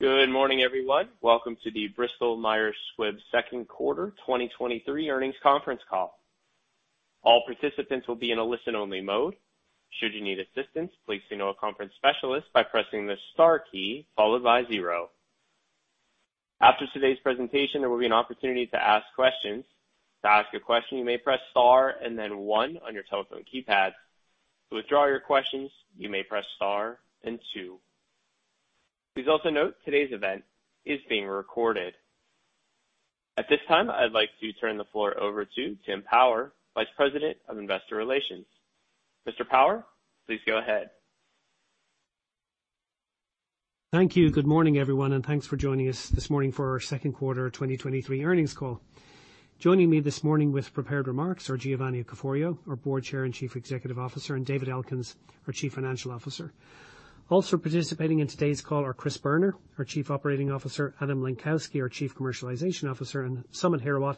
Good morning everyone. Welcome to the Bristol Myers Squibb 2nd quarter 2023 earnings conference call. All participants will be in a listen-only mode. Should you need assistance, please signal a conference specialist by pressing the star key followed by zero. After today's presentation, there will be an opportunity to ask questions. To ask a question, you may press star and then one on your telephone keypad. To withdraw your questions, you may press star and two. Please also note today's event is being recorded. At this time, I'd like to turn the floor over to Tim Power, Vice President of Investor Relations. Mr. Power, please go ahead. Thank you. Good morning everyone, thanks for joining us this morning for our 2nd quarter 2023 earnings call. Joining me this morning with prepared remarks are Giovanni Caforio, our Board Chair and Chief Executive Officer, and David Elkins, our Chief Financial Officer. Also participating in today's call are Chris Boerner, our Chief Operating Officer, Adam Lenkowsky, our Chief Commercialization Officer, and Samit Hirawat,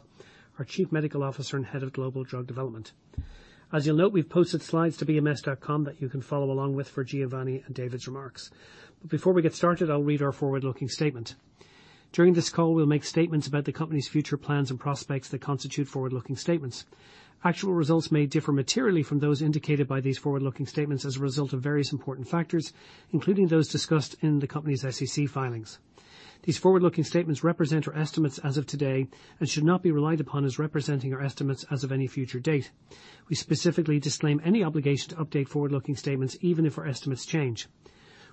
our Chief Medical Officer and Head of Global Drug Development. As you'll note, we've posted slides to bms.com that you can follow along with for Giovanni and David's remarks. Before we get started, I'll read our forward-looking statement. During this call, we'll make statements about the company's future plans and prospects that constitute forward-looking statements. Actual results may differ materially from those indicated by these forward-looking statements as a result of various important factors, including those discussed in the company's S.E.C. filings. These forward-looking statements represent our estimates as of today and should not be relied upon as representing our estimates as of any future date. We specifically disclaim any obligation to update forward-looking statements, even if our estimates change.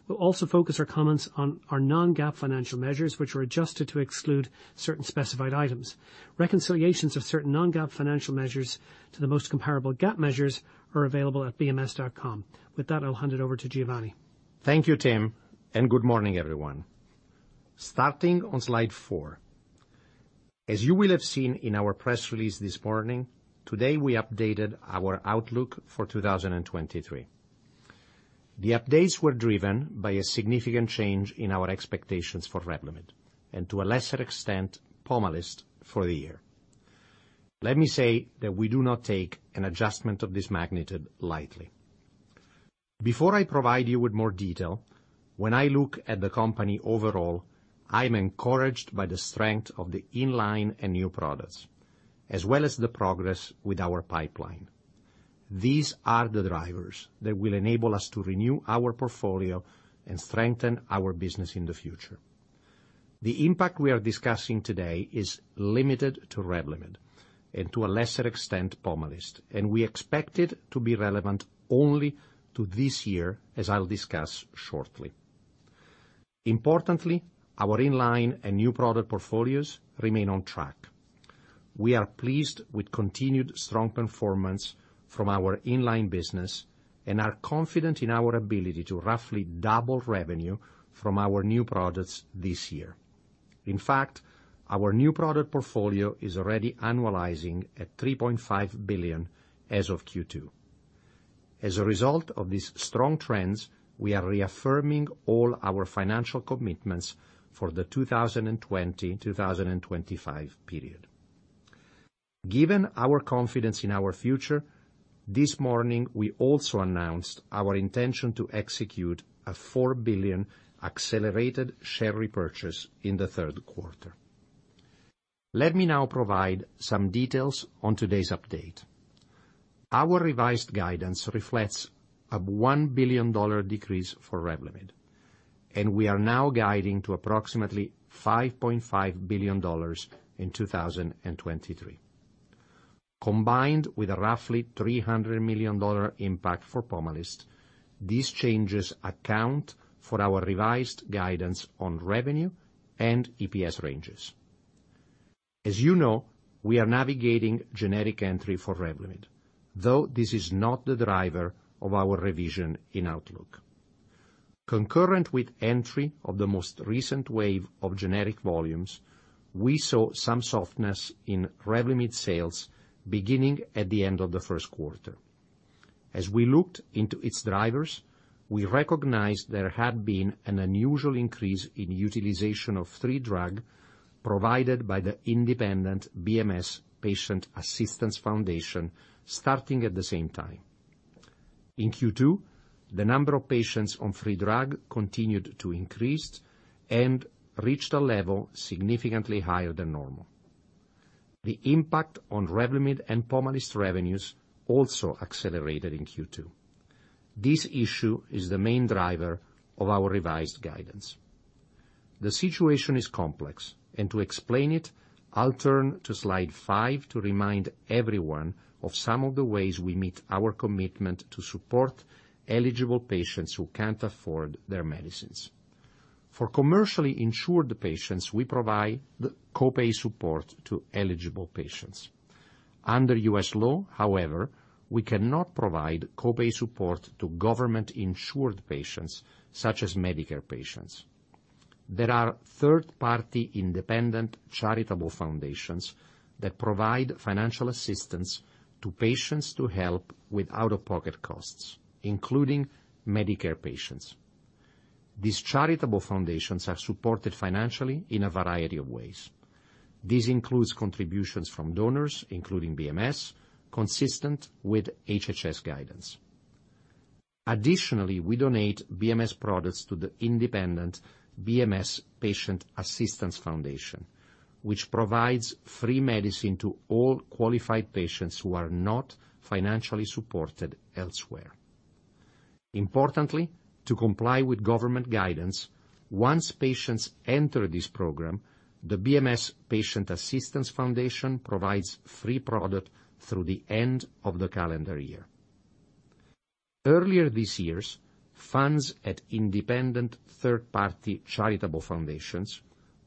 We'll also focus our comments on our non-GAAP financial measures, which are adjusted to exclude certain specified items. Reconciliations of certain non-GAAP financial measures to the most comparable GAAP measures are available at bms.com. With that, I'll hand it over to Giovanni. Thank you Tim, and good morning everyone. Starting on slide 4. As you will have seen in our press release this morning, today, we updated our outlook for 2023. The updates were driven by a significant change in our expectations for Revlimid, and to a lesser extent, Pomalyst, for the year. Let me say that we do not take an adjustment of this magnitude lightly. Before I provide you with more detail, when I look at the company overall, I'm encouraged by the strength of the in-line and new products, as well as the progress with our pipeline. These are the drivers that will enable us to renew our portfolio and strengthen our business in the future. The impact we are discussing today is limited to Revlimid and to a lesser extent, Pomalyst. We expect it to be relevant only to this year, as I'll discuss shortly. Importantly, our in-line and new product portfolios remain on track. We are pleased with continued strong performance from our in-line business and are confident in our ability to roughly double revenue from our new products this year. In fact, our new product portfolio is already annualizing at $3.5 billion as of Q2. As a result of these strong trends, we are reaffirming all our financial commitments for the 2020, 2025 period. Given our confidence in our future, this morning, we also announced our intention to execute a $4 billion accelerated share repurchase in the 2rd quarter. Let me now provide some details on today's update. Our revised guidance reflects a $1 billion decrease for Revlimid, and we are now guiding to approximately $5.5 billion in 2023. Combined with a roughly $300 million impact for Pomalyst, these changes account for our revised guidance on revenue and EPS ranges. As you know, we are navigating generic entry for Revlimid, though this is not the driver of our revision in outlook. Concurrent with entry of the most recent wave of generic volumes, we saw some softness in Revlimid sales beginning at the end of the 1st quarter. As we looked into its drivers, we recognized there had been an unusual increase in utilization of free drug provided by the independent BMS Patient Assistance Foundation, starting at the same time. In Q2, the number of patients on free drug continued to increase and reached a level significantly higher than normal. The impact on Revlimid and Pomalyst revenues also accelerated in Q2. This issue is the main driver of our revised guidance. The situation is complex, and to explain it, I'll turn to slide 5 to remind everyone of some of the ways we meet our commitment to support eligible patients who can't afford their medicines. For commercially insured patients, we provide copay support to eligible patients. Under US law, however, we cannot provide copay support to government-insured patients, such as Medicare patients. There are third-party independent charitable foundations that provide financial assistance to patients to help with out-of-pocket costs, including Medicare patients. These charitable foundations are supported financially in a variety of ways. This includes contributions from donors, including BMS, consistent with HHS guidance. Additionally, we donate BMS products to the independent BMS Patient Assistance Foundation, which provides free medicine to all qualified patients who are not financially supported elsewhere. Importantly, to comply with government guidance, once patients enter this program, the BMS Patient Assistance Foundation provides free product through the end of the calendar year. Earlier this years, funds at independent third-party charitable foundations,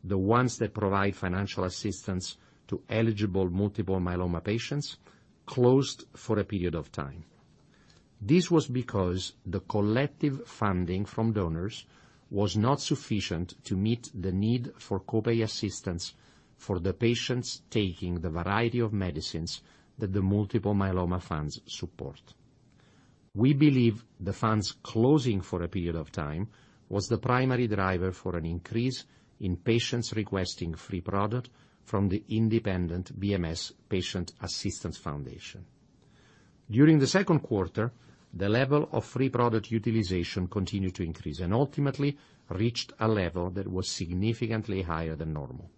the ones that provide financial assistance to eligible multiple myeloma patients, closed for a period of time. This was because the collective funding from donors was not sufficient to meet the need for copay assistance for the patients taking the variety of medicines that the multiple myeloma funds support. We believe the funds closing for a period of time was the primary driver for an increase in patients requesting free product from the independent BMS Patient Assistance Foundation. During the 2nd quarter, the level of free product utilization continued to increase and ultimately reached a level that was significantly higher than normal.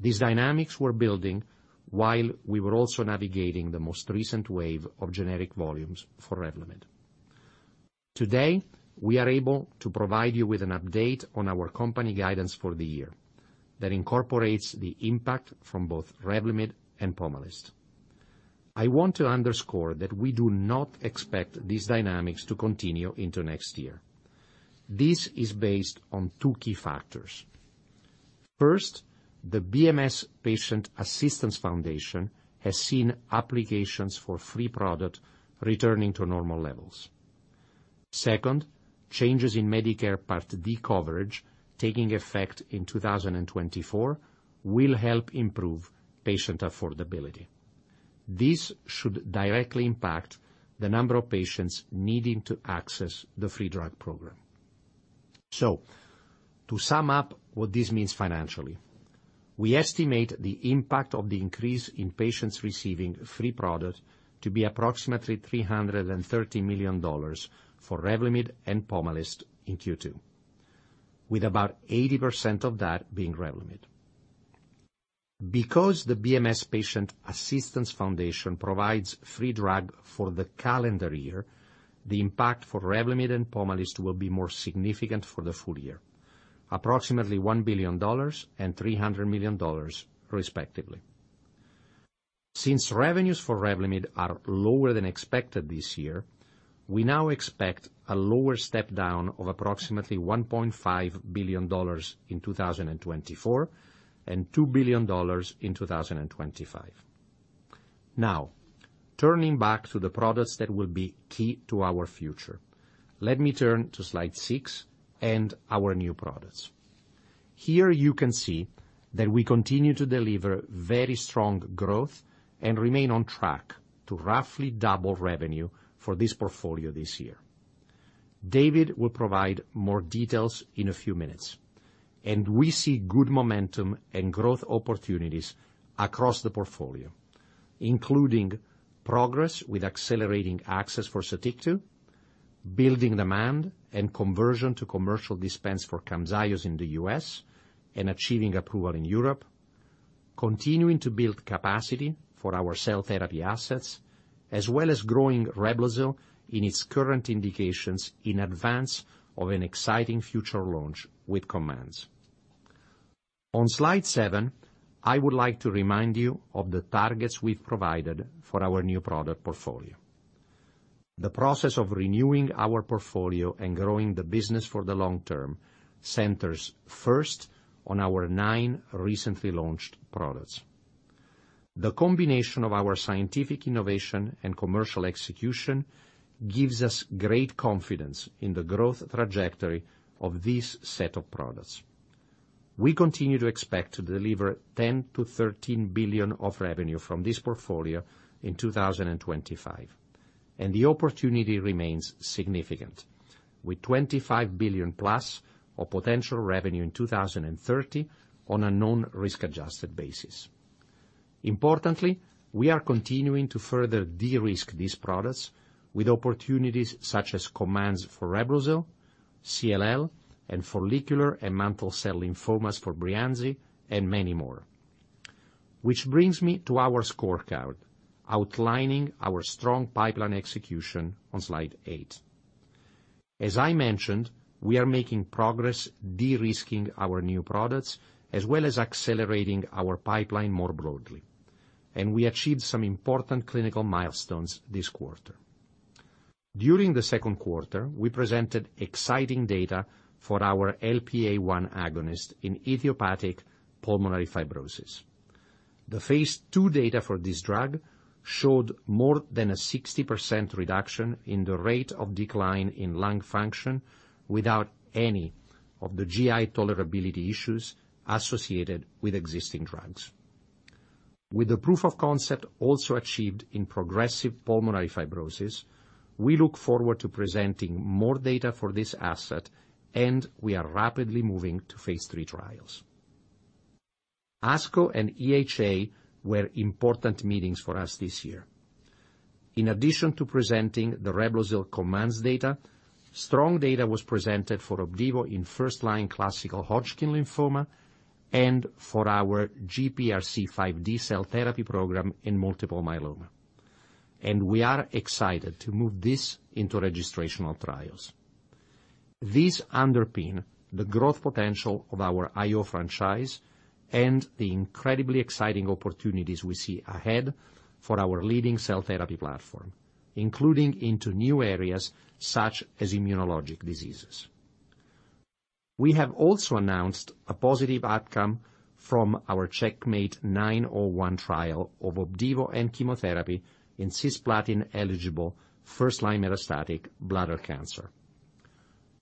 These dynamics were building while we were also navigating the most recent wave of generic volumes for Revlimid. Today, we are able to provide you with an update on our company guidance for the year that incorporates the impact from both Revlimid and Pomalyst. I want to underscore that we do not expect these dynamics to continue into next year. This is based on two key factors. First, the BMS Patient Assistance Foundation has seen applications for free product returning to normal levels. Second, changes in Medicare Part D coverage, taking effect in 2024, will help improve patient affordability. This should directly impact the number of patients needing to access the free drug program. To sum up what this means financially, we estimate the impact of the increase in patients receiving free product to be approximately $330 million for Revlimid and Pomalyst in Q2, with about 80% of that being Revlimid. Because the BMS Patient Assistance Foundation provides free drug for the calendar year, the impact for Revlimid and Pomalyst will be more significant for the full year, approximately $1 billion and $300 million, respectively. Since revenues for Revlimid are lower than expected this year, we now expect a lower step-down of approximately $1.5 billion in 2024, and $2 billion in 2025. Turning back to the products that will be key to our future, let me turn to slide 6 and our new products. Here you can see that we continue to deliver very strong growth and remain on track to roughly double revenue for this portfolio this year. David will provide more details in a few minutes, and we see good momentum and growth opportunities across the portfolio, including progress with accelerating access for Sotyktu, building demand and conversion to commercial dispense for Camzyos in the US, and achieving approval in Europe, continuing to build capacity for our cell therapy assets, as well as growing Reblozyl in its current indications in advance of an exciting future launch with COMMANDS. On slide seven, I would like to remind you of the targets we've provided for our new product portfolio. The process of renewing our portfolio and growing the business for the long term centers first on our nine recently launched products. The combination of our scientific innovation and commercial execution gives us great confidence in the growth trajectory of this set of products. We continue to expect to deliver $10 billion-$13 billion of revenue from this portfolio in 2025, and the opportunity remains significant, with $25 billion-plus of potential revenue in 2030 on a non-risk-adjusted basis. Importantly, we are continuing to further de-risk these products with opportunities such as COMMANDS for Reblozyl, CLL, and follicular and mantle cell lymphomas for Breyanzi, and many more. Which brings me to our scorecard, outlining our strong pipeline execution on slide 8. As I mentioned, we are making progress de-risking our new products, as well as accelerating our pipeline more broadly, and we achieved some important clinical milestones this quarter. During the 2nd quarter, we presented exciting data for our LPA1 agonist in idiopathic pulmonary fibrosis. The Phase II data for this drug showed more than a 60% reduction in the rate of decline in lung function without any of the GI tolerability issues associated with existing drugs. With the proof of concept also achieved in progressive pulmonary fibrosis, we look forward to presenting more data for this asset. We are rapidly moving to Phase III trials. ASCO and EHA were important meetings for us this year. In addition to presenting the Reblozyl COMMANDS data, strong data was presented for Opdivo in first-line classical Hodgkin lymphoma and for our GPRC5D cell therapy program in multiple myeloma. We are excited to move this into registrational trials. These underpin the growth potential of our IO franchise and the incredibly exciting opportunities we see ahead for our leading cell therapy platform, including into new areas such as immunologic diseases. We have also announced a positive outcome from our CheckMate901 trial of Opdivo and chemotherapy in cisplatin-eligible first-line metastatic bladder cancer.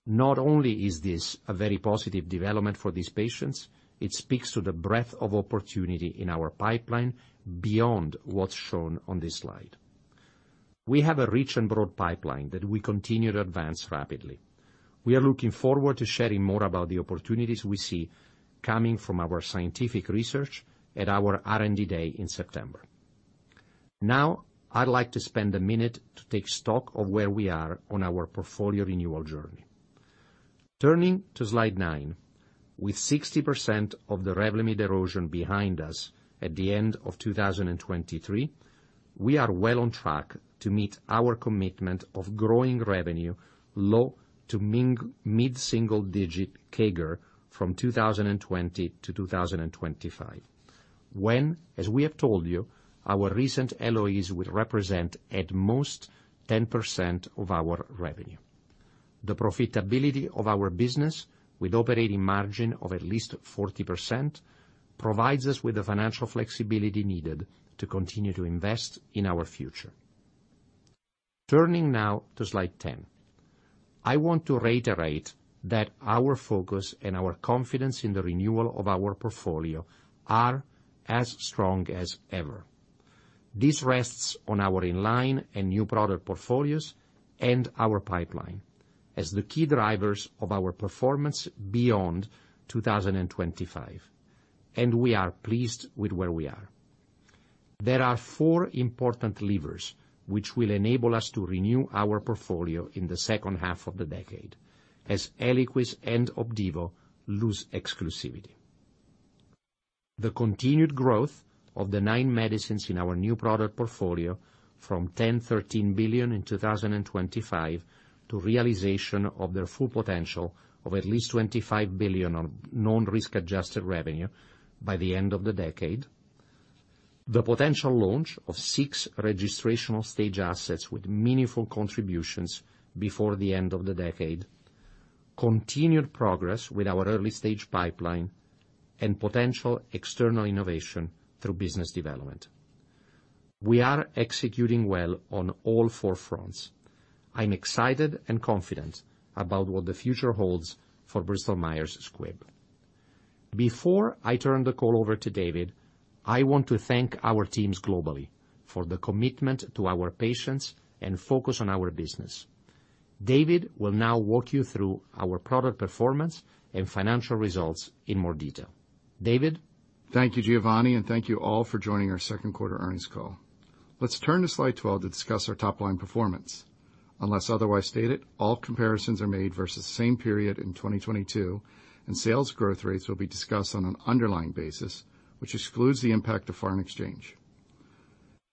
Not only is this a very positive development for these patients, it speaks to the breadth of opportunity in our pipeline beyond what's shown on this slide. We have a rich and broad pipeline that we continue to advance rapidly. We are looking forward to sharing more about the opportunities we see coming from our scientific research at our R&D Day in September. I'd like to spend a minute to take stock of where we are on our portfolio renewal journey. Turning to slide 9, with 60% of the Revlimid erosion behind us at the end of 2023, we are well on track to meet our commitment of growing revenue low to mid-single digit CAGR from 2020-2025, when, as we have told you, our recent LOEs will represent at most 10% of our revenue. The profitability of our business, with operating margin of at least 40%, provides us with the financial flexibility needed to continue to invest in our future. Turning now to slide 10. I want to reiterate that our focus and our confidence in the renewal of our portfolio are as strong as ever. This rests on our in-line and new product portfolios and our pipeline as the key drivers of our performance beyond 2025, and we are pleased with where we are. There are four important levers which will enable us to renew our portfolio in the second half of the decade as Eliquis and Opdivo lose exclusivity. The continued growth of the nine medicines in our new product portfolio from $10 billion-$13 billion in 2025 to realization of their full potential of at least $25 billion of non-risk-adjusted revenue by the end of the decade, the potential launch of six registrational stage assets with meaningful contributions before the end of the decade, continued progress with our early-stage pipeline, and potential external innovation through business development. We are executing well on all 4 fronts. I'm excited and confident about what the future holds for Bristol-Myers Squibb. Before I turn the call over to David, I want to thank our teams globally for the commitment to our patients and focus on our business. David will now walk you through our product performance and financial results in more detail. David? Thank you, Giovanni, and thank you all for joining our 2nd quarter earnings call. Let's turn to slide 12 to discuss our top-line performance. Unless otherwise stated, all comparisons are made versus same period in 2022, and sales growth rates will be discussed on an underlying basis, which excludes the impact of foreign exchange.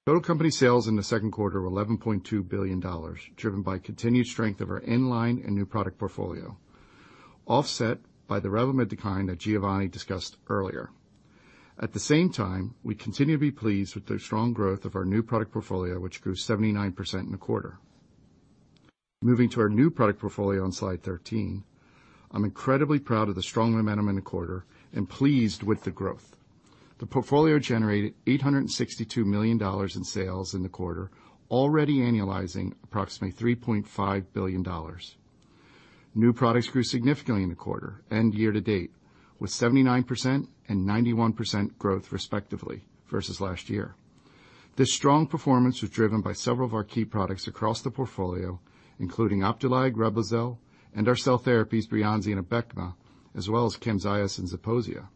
Total company sales in the 2nd quarter were $11.2 billion, driven by continued strength of our in-line and new product portfolio, offset by the Revlimid decline that Giovanni discussed earlier. At the same time, we continue to be pleased with the strong growth of our new product portfolio, which grew 79% in the quarter. Moving to our new product portfolio on slide 13, I'm incredibly proud of the strong momentum in the quarter and pleased with the growth. The portfolio generated $862 million in sales in the quarter, already annualizing approximately $3.5 billion. New products grew significantly in the quarter and year to date, with 79% and 91% growth, respectively, versus last year. This strong performance was driven by several of our key products across the portfolio, including Opdualag, Reblozyl, and our cell therapies, Breyanzi and Abecma, as well as Camzyos and Zeposia.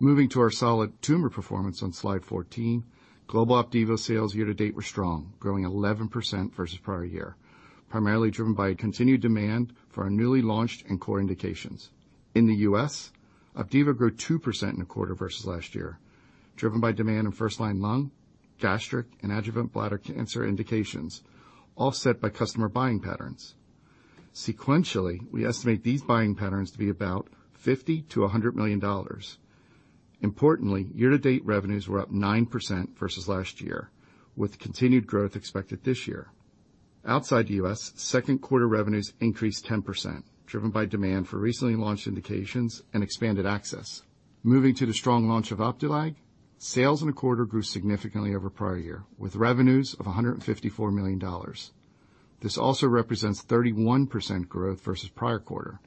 Moving to our solid tumor performance on Slide 14, global Opdivo sales year to date were strong, growing 11% versus prior year, primarily driven by a continued demand for our newly launched and core indications. In the US, Opdivo grew 2% in the quarter versus last year, driven by demand in first-line lung, gastric, and adjuvant bladder cancer indications, offset by customer buying patterns. Sequentially, we estimate these buying patterns to be about $50 million-$100 million. Importantly, year-to-date revenues were up 9% versus last year, with continued growth expected this year. Outside the U.S., 2nd quarter revenues increased 10%, driven by demand for recently launched indications and expanded access. Moving to the strong launch of Opdualag, sales in the quarter grew significantly over prior year, with revenues of $154 million. This also represents 31% growth versus prior quarter.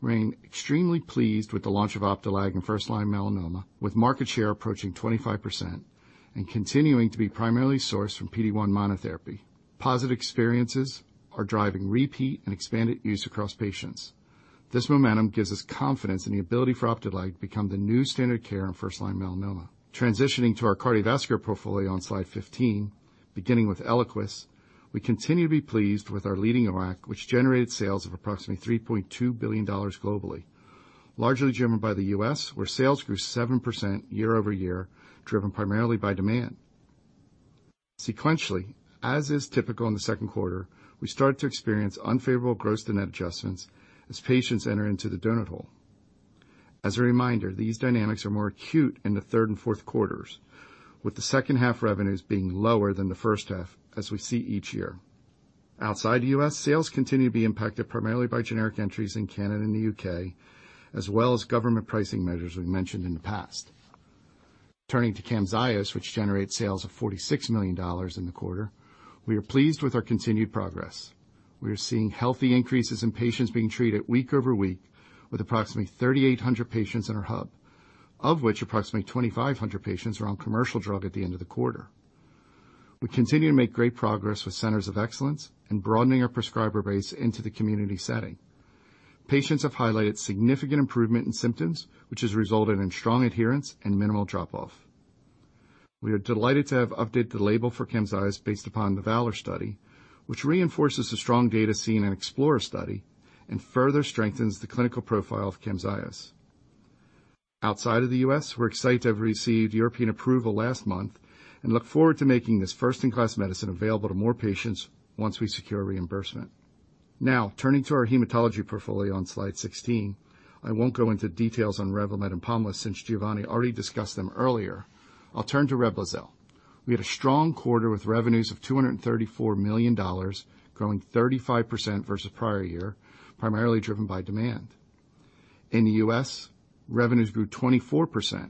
We're extremely pleased with the launch of Opdualag in first-line melanoma, with market share approaching 25% and continuing to be primarily sourced from PD-1 monotherapy. Positive experiences are driving repeat and expanded use across patients. This momentum gives us confidence in the ability for Opdualag to become the new standard of care in first-line melanoma. Transitioning to our cardiovascular portfolio on slide 15, beginning with Eliquis, we continue to be pleased with our leading of rack, which generated sales of approximately $3.2 billion globally, largely driven by the U.S., where sales grew 7% year-over-year, driven primarily by demand. Sequentially, as is typical in the 2nd quarter, we started to experience unfavorable gross-to-net adjustments as patients enter into the donut hole. As a reminder, these dynamics are more acute in the third and fourth quarters, with the second half revenues being lower than the first half, as we see each year. Outside the U.S., sales continue to be impacted primarily by generic entries in Canada and the U.K., as well as government pricing measures we've mentioned in the past. Turning to Camzyos, which generates sales of $46 million in the quarter, we are pleased with our continued progress. We are seeing healthy increases in patients being treated week over week, with approximately 3,800 patients in our hub, of which approximately 2,500 patients are on commercial drug at the end of the quarter. We continue to make great progress with centers of excellence and broadening our prescriber base into the community setting. Patients have highlighted significant improvement in symptoms, which has resulted in strong adherence and minimal drop-off. We are delighted to have updated the label for Camzyos based upon the VALOR study, which reinforces the strong data seen in EXPLORER study and further strengthens the clinical profile of Camzyos. Outside of the US, we're excited to have received European approval last month and look forward to making this first-in-class medicine available to more patients once we secure reimbursement. Turning to our hematology portfolio on slide 16. I won't go into details on Revlimid and Pomalyst, since Giovanni already discussed them earlier. I'll turn to Reblozyl. We had a strong quarter, with revenues of $234 million, growing 35% versus prior year, primarily driven by demand. In the US, revenues grew 24%,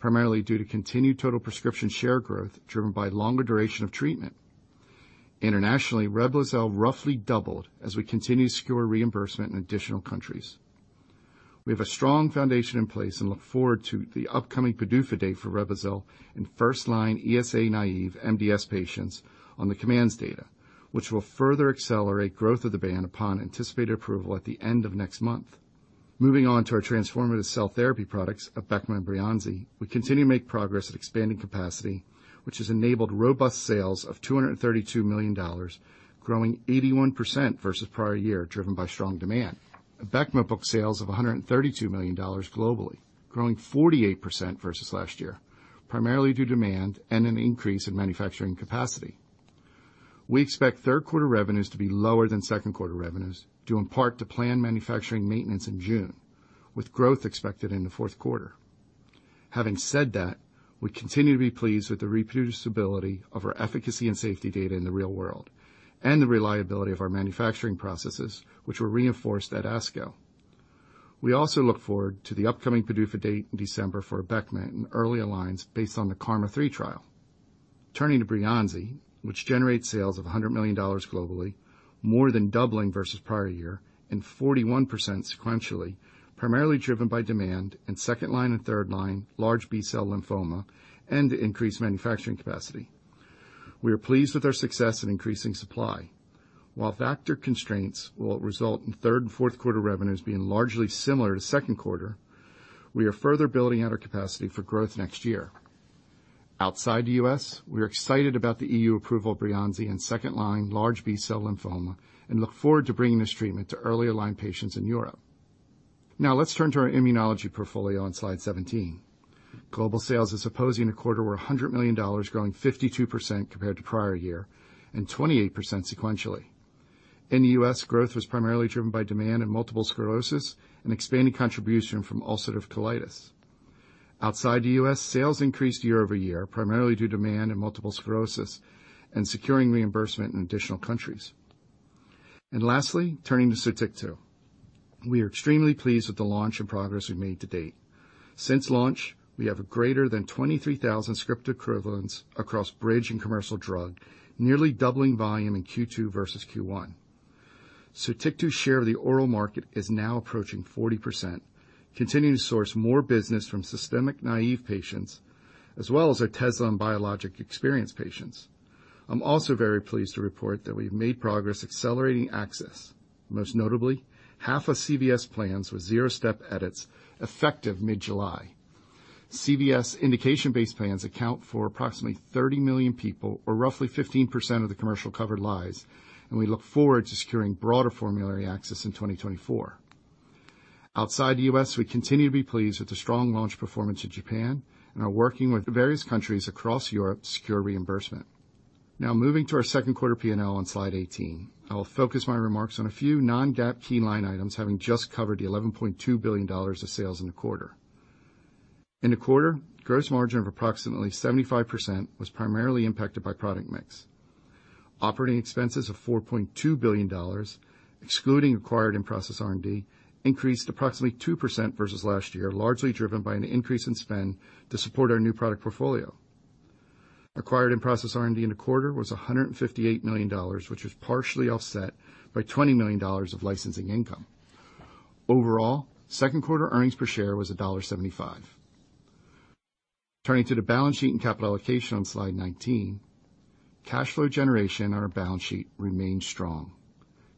primarily due to continued total prescription share growth, driven by longer duration of treatment. Internationally, Reblozyl roughly doubled as we continue to secure reimbursement in additional countries. We have a strong foundation in place and look forward to the upcoming PDUFA date for Reblozyl in first-line ESA-naive MDS patients on the COMMANDS data, which will further accelerate growth of the band upon anticipated approval at the end of next month. Moving on to our transformative cell therapy products Abecma and Breyanzi. We continue to make progress at expanding capacity, which has enabled robust sales of $232 million, growing 81% versus prior year, driven by strong demand. Abecma booked sales of $132 million globally, growing 48% versus last year, primarily due to demand and an increase in manufacturing capacity. We expect 2rd quarter revenues to be lower than 2nd quarter revenues, due in part to planned manufacturing maintenance in June, with growth expected in the fourth quarter. Having said that, we continue to be pleased with the reproducibility of our efficacy and safety data in the real world and the reliability of our manufacturing processes, which were reinforced at ASCO. We also look forward to the upcoming PDUFA date in December for Abecma in earlier lines, based on the KarMMa-3 trial. Turning to Breyanzi, which generates sales of $100 million globally, more than doubling versus prior year and 41% sequentially, primarily driven by demand in second-line and third-line large B-cell lymphoma and increased manufacturing capacity. We are pleased with our success in increasing supply. While factor constraints will result in third and fourth quarter revenues being largely similar to 2nd quarter, we are further building out our capacity for growth next year. Outside the US, we are excited about the EU approval of Breyanzi in second-line large B-cell lymphoma and look forward to bringing this treatment to earlier line patients in Europe. Let's turn to our immunology portfolio on slide 17. Global sales as opposing a quarter, were $100 million, growing 52% compared to prior year and 28% sequentially. In the US, growth was primarily driven by demand in multiple sclerosis and expanding contribution from ulcerative colitis. Outside the US, sales increased year-over-year, primarily due to demand in multiple sclerosis and securing reimbursement in additional countries. Lastly, turning to Sotyktu. We are extremely pleased with the launch and progress we've made to date. Since launch, we have a greater than 23,000 script equivalents across bridge and commercial drug, nearly doubling volume in Q2 versus Q1. Sotyktu's share of the oral market is now approaching 40%, continuing to source more business from systemic naive patients, as well as our Tezspire and biologic experienced patients. I'm also very pleased to report that we've made progress accelerating access. Most notably, half of CVS plans with 0 step edits effective mid-July. CVS indication-based plans account for approximately 30 million people, or roughly 15% of the commercial covered lives, and we look forward to securing broader formulary access in 2024. Outside the US, we continue to be pleased with the strong launch performance in Japan and are working with various countries across Europe to secure reimbursement. Moving to our 2nd quarter PNL on slide 18. I will focus my remarks on a few non-GAAP key line items, having just covered the $11.2 billion of sales in the quarter. In the quarter, gross margin of approximately 75% was primarily impacted by product mix. Operating expenses of $4.2 billion, excluding acquired in-process R&D, increased approximately 2% versus last year, largely driven by an increase in spend to support our new product portfolio. Acquired in-process R&D in the quarter was $158 million, which was partially offset by $20 million of licensing income. Overall, 2nd quarter earnings per share was $1.75. Turning to the balance sheet and capital allocation on slide 19, cash flow generation on our balance sheet remained strong.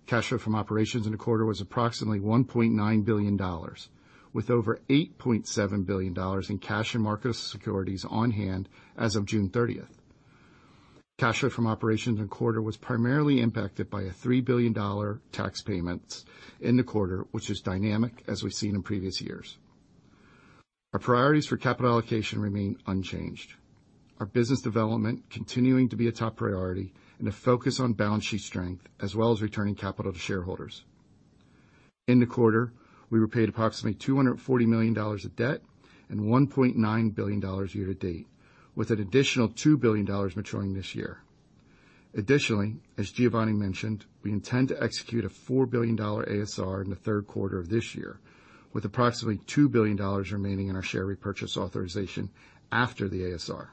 Cash flow from operations in the quarter was approximately $1.9 billion, with over $8.7 billion in cash and market securities on hand as of June thirtieth. Cash flow from operations in the quarter was primarily impacted by a $3 billion tax payments in the quarter, which is dynamic, as we've seen in previous years. Our priorities for capital allocation remain unchanged. Our business development continuing to be a top priority and a focus on balance sheet strength, as well as returning capital to shareholders. In the quarter, we repaid approximately $240 million of debt and $1.9 billion year to date, with an additional $2 billion maturing this year. As Giovanni mentioned, we intend to execute a $4 billion ASR in the 2rd quarter of this year, with approximately $2 billion remaining in our share repurchase authorization after the ASR.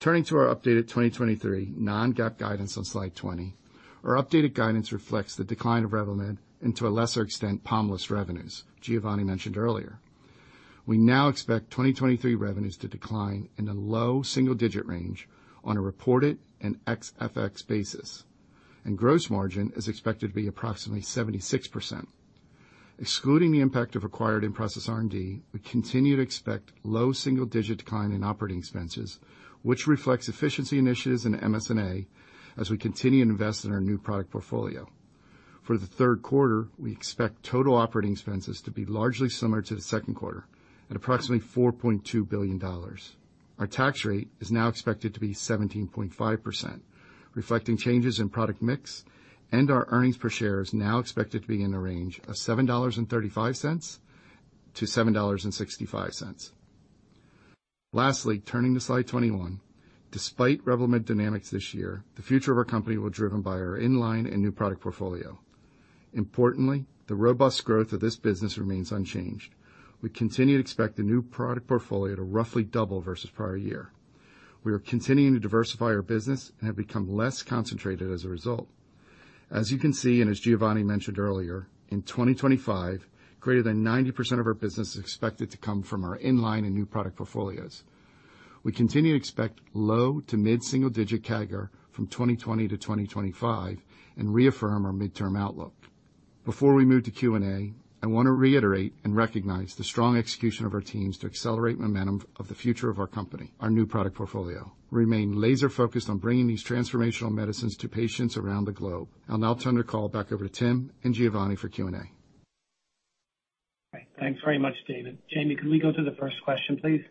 Turning to our updated 2023 non-GAAP guidance on slide 20, our updated guidance reflects the decline of Revlimid, and to a lesser extent, Pomalyst revenues, Giovanni mentioned earlier. We now expect 2023 revenues to decline in a low single-digit range on a reported and ex FX basis, and gross margin is expected to be approximately 76%. Excluding the impact of acquired in-process R&D, we continue to expect low single-digit decline in operating expenses, which reflects efficiency initiatives in MSNA as we continue to invest in our new product portfolio. For the 2rd quarter, we expect total operating expenses to be largely similar to the 2nd quarter at approximately $4.2 billion. Our tax rate is now expected to be 17.5%, reflecting changes in product mix, and our earnings per share is now expected to be in the range of $7.35-$7.65. Lastly, turning to slide 21. Despite Revlimid dynamics this year, the future of our company will be driven by our in-line and new product portfolio. Importantly, the robust growth of this business remains unchanged. We continue to expect the new product portfolio to roughly double versus prior year. We are continuing to diversify our business and have become less concentrated as a result. As you can see, and as Giovanni mentioned earlier, in 2025, greater than 90% of our business is expected to come from our in-line and new product portfolios. We continue to expect low to mid-single-digit CAGR from 2020-2025 and reaffirm our midterm outlook. Before we move to Q&A, I want to reiterate and recognize the strong execution of our teams to accelerate momentum of the future of our company, our new product portfolio. Remain laser focused on bringing these transformational medicines to patients around the globe. I'll now turn the call back over to Tim and Giovanni for Q&A. Great. Thanks very much, David. Jamie, can we go to the first question, please?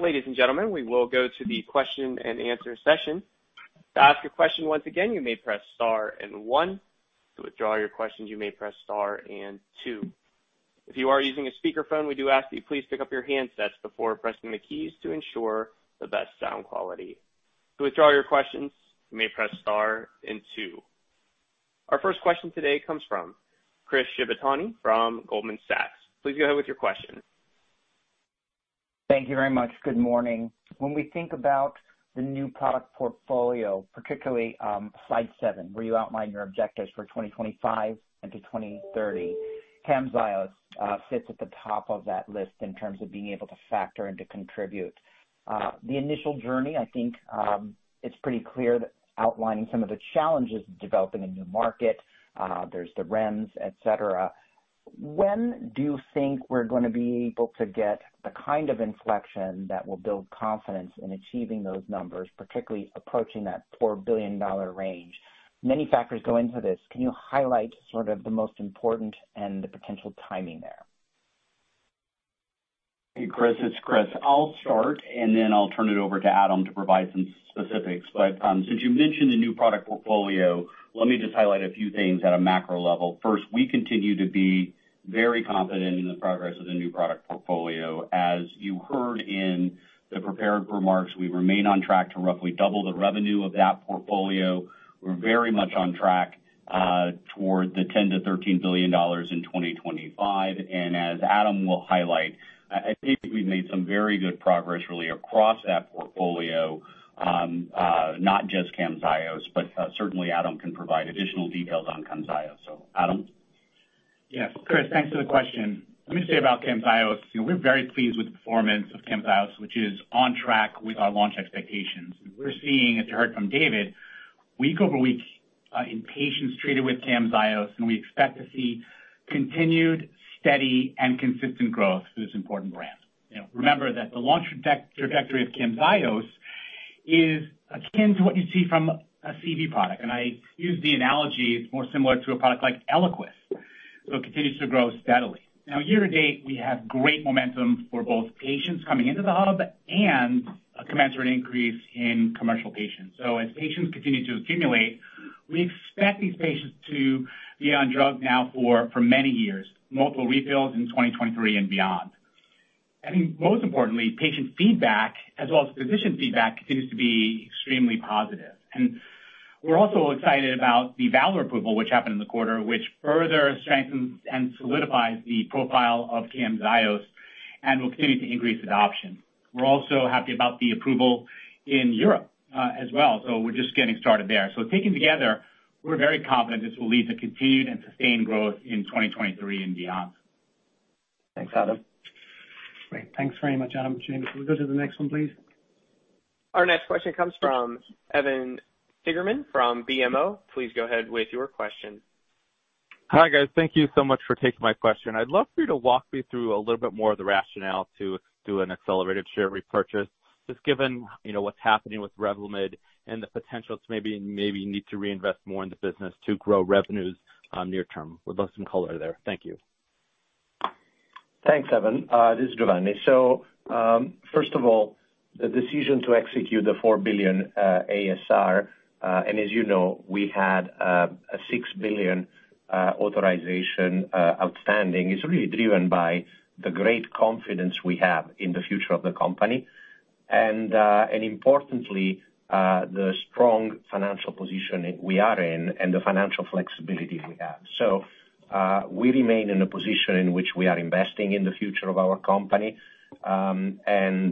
Ladies and gentlemen, we will go to the question-and-answer session. To ask a question, once again, you may press star and one. To withdraw your questions, you may press star and two. If you are using a speakerphone, we do ask that you please pick up your handsets before pressing the keys to ensure the best sound quality. To withdraw your questions, you may press star and two. Our first question today comes from Chris Shibutani from Goldman Sachs. Please go ahead with your question. Thank you very much. Good morning. When we think about the new product portfolio, particularly, slide 7, where you outline your objectives for 2025 into 2030, Camzyos sits at the top of that list in terms of being able to factor and to contribute. The initial journey, I think, it's pretty clear that outlining some of the challenges of developing a new market, there's the REMS, et cetera. When do you think we're going to be able to get the kind of inflection that will build confidence in achieving those numbers, particularly approaching that $4 billion range? Many factors go into this. Can you highlight sort of the most important and the potential timing there? Hey, Chris, it's Chris. I'll start, then I'll turn it over to Adam to provide some specifics. Since you mentioned the new product portfolio, let me just highlight a few things at a macro level. First, we continue to be very confident in the progress of the new product portfolio. As you heard in the prepared remarks, we remain on track to roughly double the revenue of that portfolio. We're very much on track toward the $10 billion-$13 billion in 2025, as Adam will highlight, I think we've made some very good progress really across that portfolio, not just Camzyos, but certainly Adam can provide additional details on Camzyos. Adam? Yes, Chris, thanks for the question. Let me say about Camzyos, you know, we're very pleased with the performance of Camzyos, which is on track with our launch expectations. We're seeing, as you heard from David, week over week, in patients treated with Camzyos, and we expect to see continued steady and consistent growth through this important brand. You know, remember that the launch trajectory of Camzyos is akin to what you'd see from a CV product, and I use the analogy, it's more similar to a product like Eliquis, so it continues to grow steadily. Now, year to date, we have great momentum for both patients coming into the hub and a commensurate increase in commercial patients. As patients continue to accumulate, we expect these patients to be on drug now for many years, multiple refills in 2023 and beyond. I think most importantly, patient feedback as well as physician feedback continues to be extremely positive. We're also excited about the VALOR approval, which happened in the quarter, which further strengthens and solidifies the profile of Camzyos and will continue to increase adoption. We're also happy about the approval in Europe as well, so we're just getting started there. Taken together, we're very confident this will lead to continued and sustained growth in 2023 and beyond. Thanks, Adam. Great. Thanks very much, Adam. Jamie, can we go to the next one, please? Our next question comes from Evan Seigerman from BMO. Please go ahead with your question. Hi, guys. Thank you so much for taking my question. I'd love for you to walk me through a little bit more of the rationale to do an accelerated share repurchase, just given, you know, what's happening with Revlimid and the potential to maybe you need to reinvest more in the business to grow revenues, near term. Would love some color there. Thank you. Thanks, Evan. This is Giovanni. First of all, the decision to execute the $4 billion ASR, and as you know, we had a $6 billion authorization outstanding, is really driven by the great confidence we have in the future of the company, and importantly, the strong financial position we are in and the financial flexibility we have. We remain in a position in which we are investing in the future of our company, and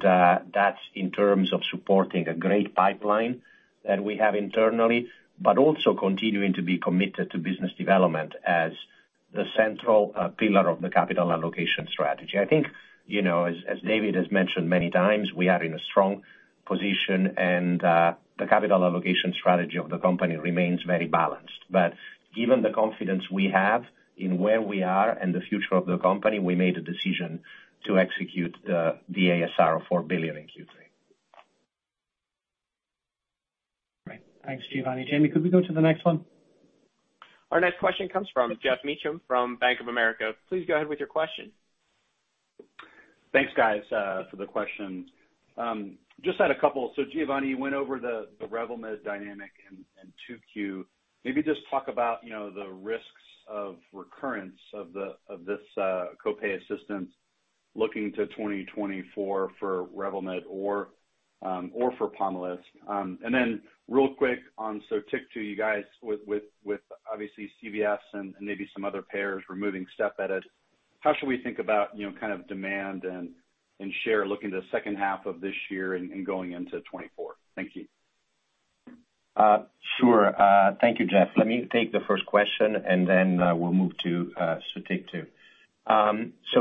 that's in terms of supporting a great pipeline that we have internally, but also continuing to be committed to business development as the central pillar of the capital allocation strategy. I think, you know, as David has mentioned many times, we are in a strong position and the capital allocation strategy of the company remains very balanced. Given the confidence we have in where we are and the future of the company, we made a decision to execute the ASR of $4 billion in Q3. Great. Thanks Giovanni. Jamie, could we go to the next one? Our next question comes from Geoff Meacham from Bank of America. Please go ahead with your question. Thanks guys for the questions. Just had a couple. Giovanni, you went over the Revlimid dynamic in 2Q. Maybe just talk about, you know, the risks of recurrence of the copay assistance looking to 2024 for Revlimid or for Pomalyst. Real quick on Sotyktu, you guys with obviously CVS and maybe some other payers removing step edit, how should we think about, you know, kind of demand and share looking to the second half of this year and going into 2024? Thank you. Sure. Thank you Geoff. Let me take the first question, then we'll move to Sotyktu.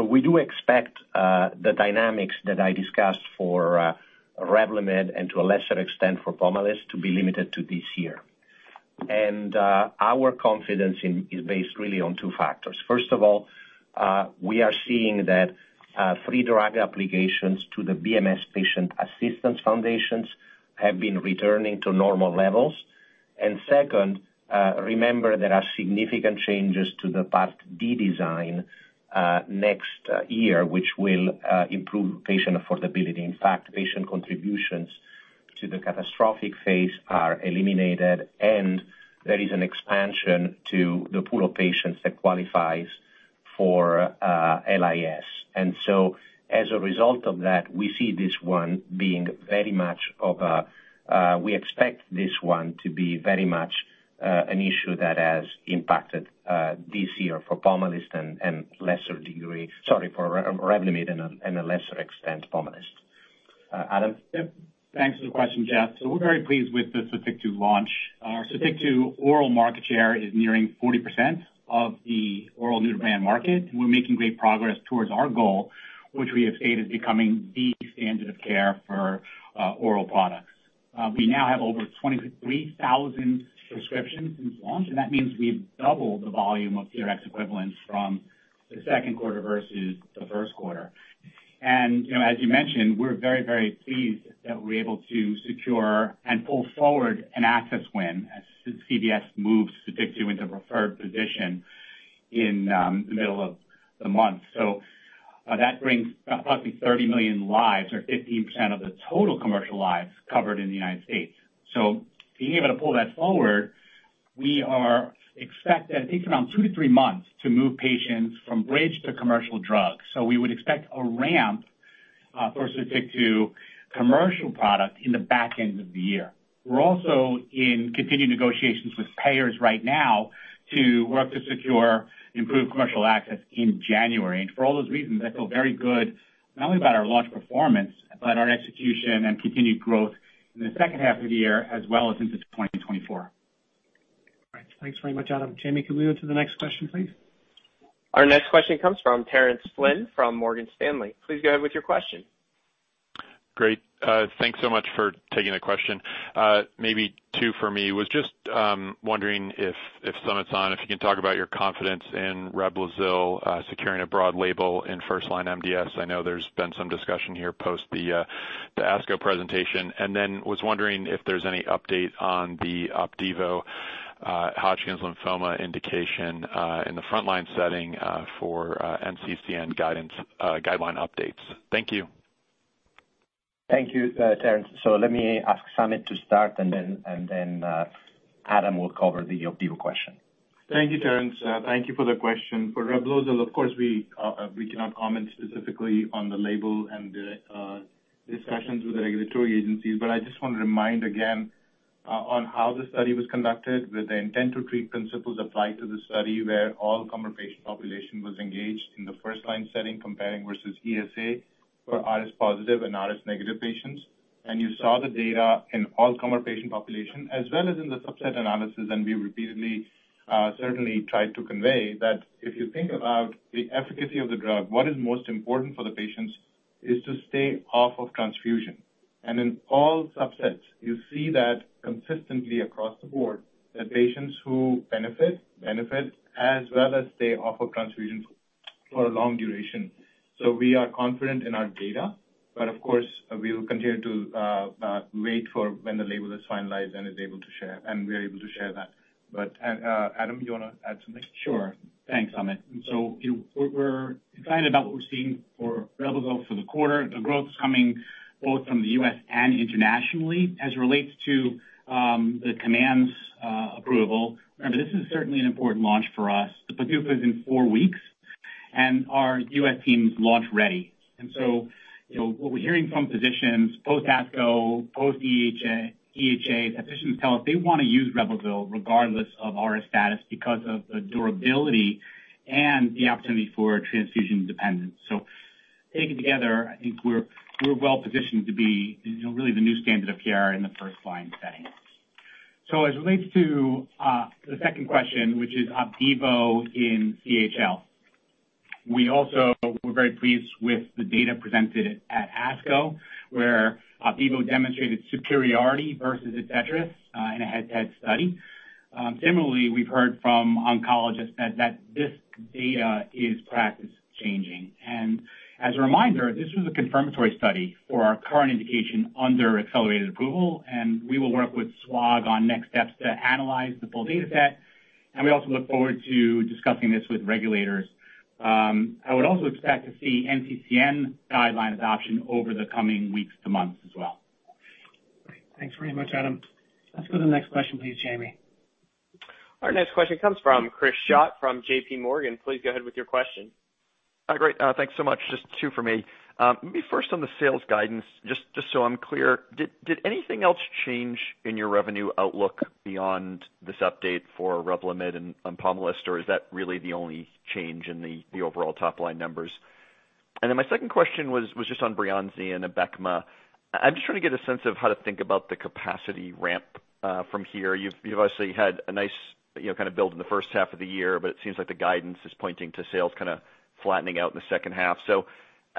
We do expect the dynamics that I discussed for Revlimid, and to a lesser extent for Pomalyst to be limited to this year. Our confidence is based really on two factors. First of all, we are seeing that free drug applications to the BMS Patient Assistance Foundations have been returning to normal levels. Second, remember, there are significant changes to the Part D design next year, which will improve patient affordability. In fact, patient contributions to the catastrophic phase are eliminated, and there is an expansion to the pool of patients that qualifies for LIS. As a result of that, we see this one being very much. We expect this one to be very much an issue that has impacted this year for Pomalyst. Sorry, for Revlimid and a lesser extent Pomalyst. Adam? Yep. Thanks for the question, Geoff. We're very pleased with the Sotyktu launch. Our Sotyktu oral market share is nearing 40% of the oral new brand market. We're making great progress towards our goal, which we have stated becoming the standard of care for oral products. We now have over 23,000 prescriptions since launch, and that means we've doubled the volume of TRX equivalents from the 2nd quarter versus the 1st quarter. you know, as you mentioned, we're very, very pleased that we're able to secure and pull forward an access win as CVS moves Sotyktu into preferred position in the middle of the month. That brings roughly 30 million lives, or 15% of the total commercial lives covered in the United States. Being able to pull that forward, we expect that it takes around 2 to 3 months to move patients from bridge to commercial drugs. We would expect a ramp for Sotyktu commercial product in the back end of the year. We're also in continued negotiations with payers right now to work to secure improved commercial access in January. For all those reasons, I feel very good not only about our launch performance, but our execution and continued growth in the second half of the year as well as into 2024. Great. Thanks very much, Adam. Jamie, can we go to the next question, please? Our next question comes from Terence Flynn from Morgan Stanley. Please go ahead with your question. Great, thanks so much for taking the question. Maybe two for me. Was just wondering if, if Summit's on, if you can talk about your confidence in Reblozyl, securing a broad label in first-line MDS. I know there's been some discussion here post the ASCO presentation. Was wondering if there's any update on the Opdivo, Hodgkin lymphoma indication, in the front-line setting, for NCCN guidance, guideline updates. Thank you. Thank you, Terence. Let me ask Samit to start, and then Adam will cover the Opdivo question. Thank you, Terence. Thank you for the question. For Revlimid, of course, we cannot comment specifically on the label and the discussions with the regulatory agencies, but I just want to remind again on how the study was conducted, with the intent to treat principles applied to the study, where all comer patient population was engaged in the first line setting, comparing versus ESA for RS positive and RS negative patients. You saw the data in all comer patient population, as well as in the subset analysis. We repeatedly, certainly tried to convey that if you think about the efficacy of the drug, what is most important for the patients is to stay off of transfusion. In all subsets, you see that consistently across the board, that patients who benefit, benefit as well as stay off of transfusion for a long duration. We are confident in our data, but of course, we will continue to wait for when the label is finalized and is able to share, and we are able to share that. Adam, you want to add something? Sure. Thanks Samit. You know, we're excited about what we're seeing for Revlimid for the quarter. The growth is coming both from the US and internationally. As it relates to the COMMANDS approval, remember, this is certainly an important launch for us. The PDUFA is in 4 weeks, our US team is launch-ready. You know, what we're hearing from physicians, post ASCO, post EHA, physicians tell us they want to use Revlimid, regardless of RS status, because of the durability and the opportunity for transfusion dependence. Taken together, I think we're well positioned to be, you know, really the new standard of PR in the first line setting. As it relates to the second question, which is Opdivo in CHL. We also were very pleased with the data presented at ASCO, where Opdivo demonstrated superiority versus Atezolizumab in a head-to-head study. Similarly, we've heard from oncologists that this data is practice changing. As a reminder, this was a confirmatory study for our current indication under accelerated approval, and we will work with SWOG on next steps to analyze the full data set, and we also look forward to discussing this with regulators. I would also expect to see NCCN guideline adoption over the coming weeks to months as well. Thanks very much, Adam. Let's go to the next question, please, Jamie. Our next question comes from Chris Schott from JPMorgan. Please go ahead with your question. Great, thanks so much. Just two for me. Maybe first on the sales guidance, just so I'm clear, did anything else change in your revenue outlook beyond this update for Revlimid and Pomalyst, or is that really the only change in the overall top-line numbers? My second question was just on Breyanzi and Abecma. I'm just trying to get a sense of how to think about the capacity ramp from here. You've obviously had a nice, you know, kind of build in the first half of the year, but it seems like the guidance is pointing to sales kind of flattening out in the second half.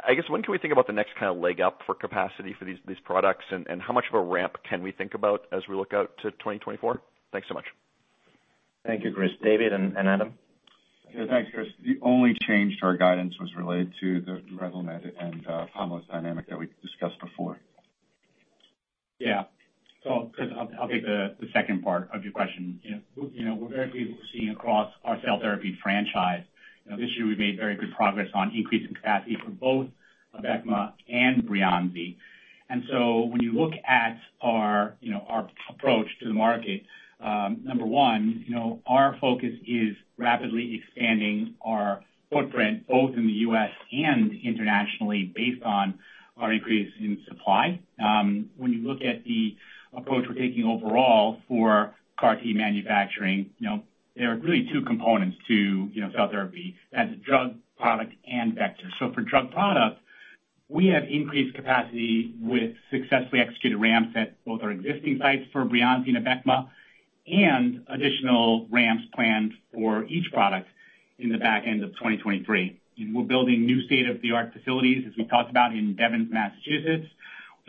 I guess, when can we think about the next kind of leg up for capacity for these products? How much of a ramp can we think about as we look out to 2024? Thanks so much. Thank you Chris. David and, and Adam. Yeah. Thanks, Chris. The only change to our guidance was related to the Revlimid and Pomalyst dynamic that we discussed before. Yeah. Chris, I'll take the second part of your question. You know, we, you know, we're very pleased with what we're seeing across our cell therapy franchise. You know, this year we've made very good progress on increasing capacity for both Abecma and Breyanzi. When you look at our, you know, our approach to the market, number one, you know, our focus is rapidly expanding our footprint, both in the US and internationally, based on our increase in supply. When you look at the approach we're taking overall for CAR T manufacturing, you know, there are really two components to, you know, cell therapy. That's drug, product, and vector. For drug product, we have increased capacity with successfully executed ramps at both our existing sites for Breyanzi and Abecma, and additional ramps planned for each product in the back end of 2023. We're building new state-of-the-art facilities, as we talked about in Devens, Massachusetts,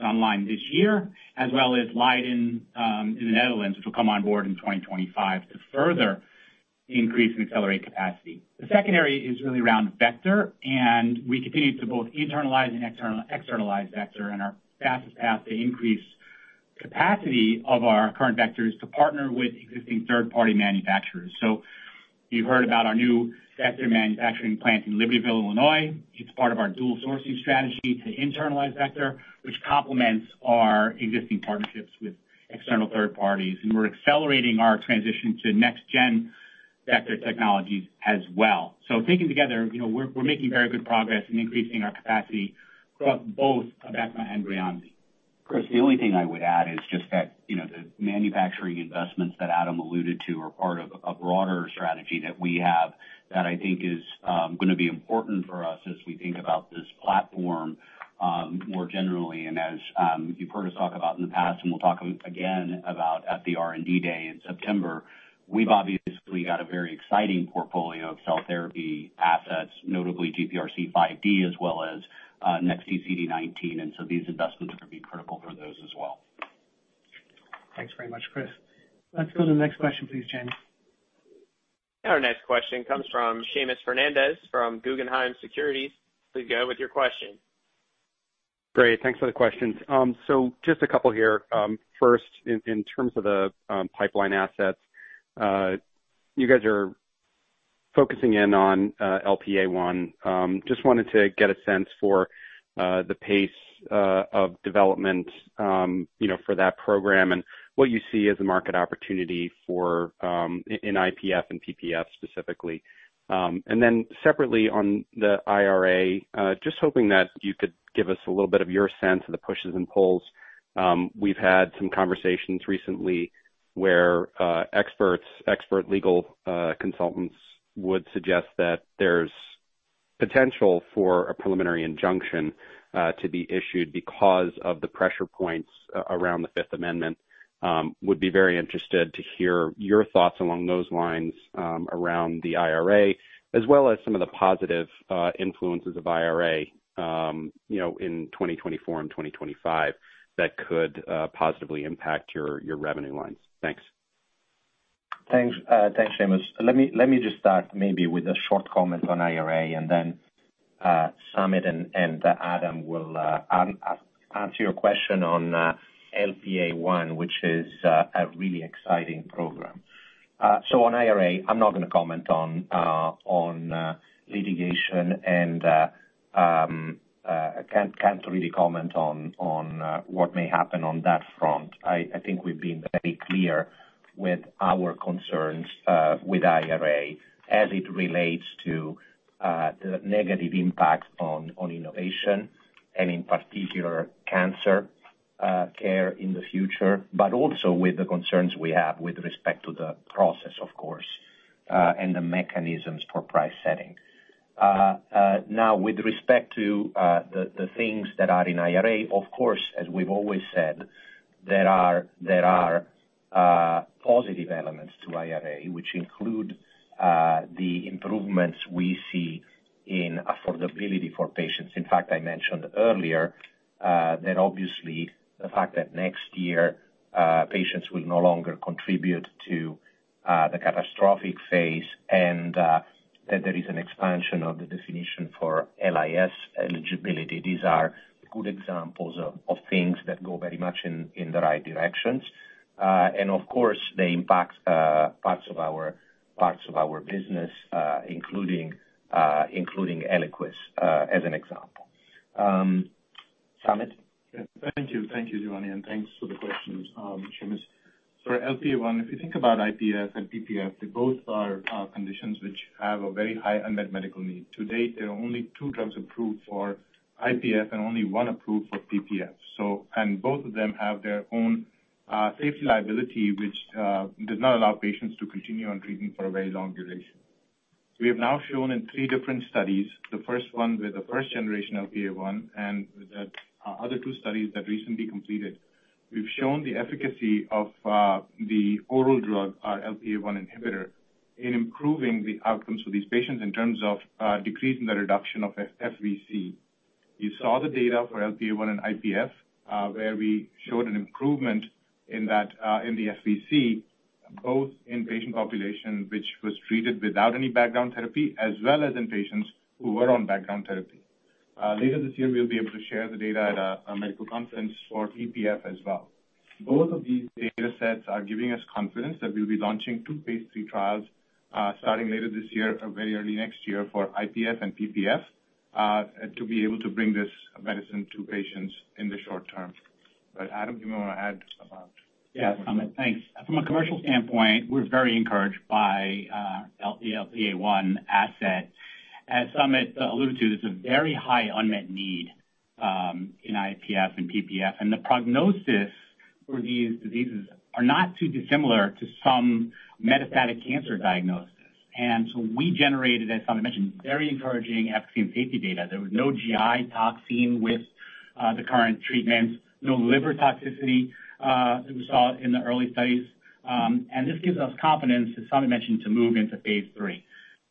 online this year, as well as Leiden, in the Netherlands, which will come on board in 2025 to further increase and accelerate capacity. The second area is really around vector. We continue to both internalize and externalize vector. Our fastest path to increase capacity of our current vector is to partner with existing third-party manufacturers. You've heard about our new vector manufacturing plant in Libertyville, Illinois. It's part of our dual sourcing strategy to internalize vector, which complements our existing partnerships with external third parties. We're accelerating our transition to next gen vector technologies as well. Taken together, you know, we're making very good progress in increasing our capacity across both Abecma and Breyanzi. Chris, the only thing I would add is just that, you know, the manufacturing investments that Adam alluded to are part of a broader strategy that we have that I think is gonna be important for us as we think about this platform more generally. As, you've heard us talk about in the past, and we'll talk again about at the R&D day in September, we've obviously got a very exciting portfolio of cell therapy assets, notably GPRC5D, as well as next CD19. So these investments are going to be critical for those as well. Thanks very much, Chris. Let's go to the next question, please, Jamie. Our next question comes from Seamus Fernandez from Guggenheim Securities. Please go with your question. Great, thanks for the questions. Just a couple here. First, in terms of the pipeline assets. Focusing in on LPA1, just wanted to get a sense for the pace of development, you know, for that program, and what you see as a market opportunity for in IPF and PPF specifically. Separately on the IRA, just hoping that you could give us a little bit of your sense of the pushes and pulls. We've had some conversations recently where experts, expert legal consultants would suggest that there's potential for a preliminary injunction to be issued because of the pressure points around the Fifth Amendment. Would be very interested to hear your thoughts along those lines, around the IRA, as well as some of the positive influences of IRA, you know, in 2024 and 2025, that could positively impact your, your revenue lines. Thanks. Thanks. Thanks, Seamus. Let me just start maybe with a short comment on IRA, and then Samit and Adam will answer your question on LPA one, which is a really exciting program. On IRA, I'm not gonna comment on litigation and can't really comment on what may happen on that front. I think we've been very clear with our concerns with IRA as it relates to the negative impact on innovation and in particular, cancer care in the future, but also with the concerns we have with respect to the process, of course, and the mechanisms for price setting. Now with respect to the things that are in IRA, of course, as we've always said, there are positive elements to IRA, which include the improvements we see in affordability for patients. In fact, I mentioned earlier that obviously the fact that next year patients will no longer contribute to the catastrophic phase and that there is an expansion of the definition for LIS eligibility. These are good examples of things that go very much in the right directions. Of course, they impact parts of our business, including Eliquis as an example. Samit? Thank you. Thank you, Giovanni. Thanks for the questions, Seamus. For LPA1, if you think about IPF and PPF, they both are conditions which have a very high unmet medical need. To date, there are only two drugs approved for IPF and only one approved for PPF. Both of them have their own safety liability, which does not allow patients to continue on treatment for a very long duration. We have now shown in three different studies, the first one with the first generation of LPA1, and with the other two studies that recently completed. We've shown the efficacy of the oral drug, LPA1 inhibitor, in improving the outcomes for these patients in terms of decreasing the reduction of FVC. You saw the data for LPA1 and IPF, where we showed an improvement in the FVC, both in patient population, which was treated without any background therapy, as well as in patients who were on background therapy. Later this year, we'll be able to share the data at a medical conference for PPF as well. Both of these data sets are giving us confidence that we'll be launching two Phase III trials, starting later this year or very early next year for IPF and PPF, to be able to bring this medicine to patients in the short term. Adam, you may want to add. Yeah, Samit thanks. From a commercial standpoint, we're very encouraged by LPA1 asset. As Samit alluded to, this is a very high unmet need in IPF and PPF, and the prognosis for these diseases are not too dissimilar to some metastatic cancer diagnosis. We generated, as Samit mentioned, very encouraging efficacy and safety data. There was no GI toxicity with the current treatments, no liver toxicity, we saw in the early studies. This gives us confidence, as Samit mentioned, to move into Phase III.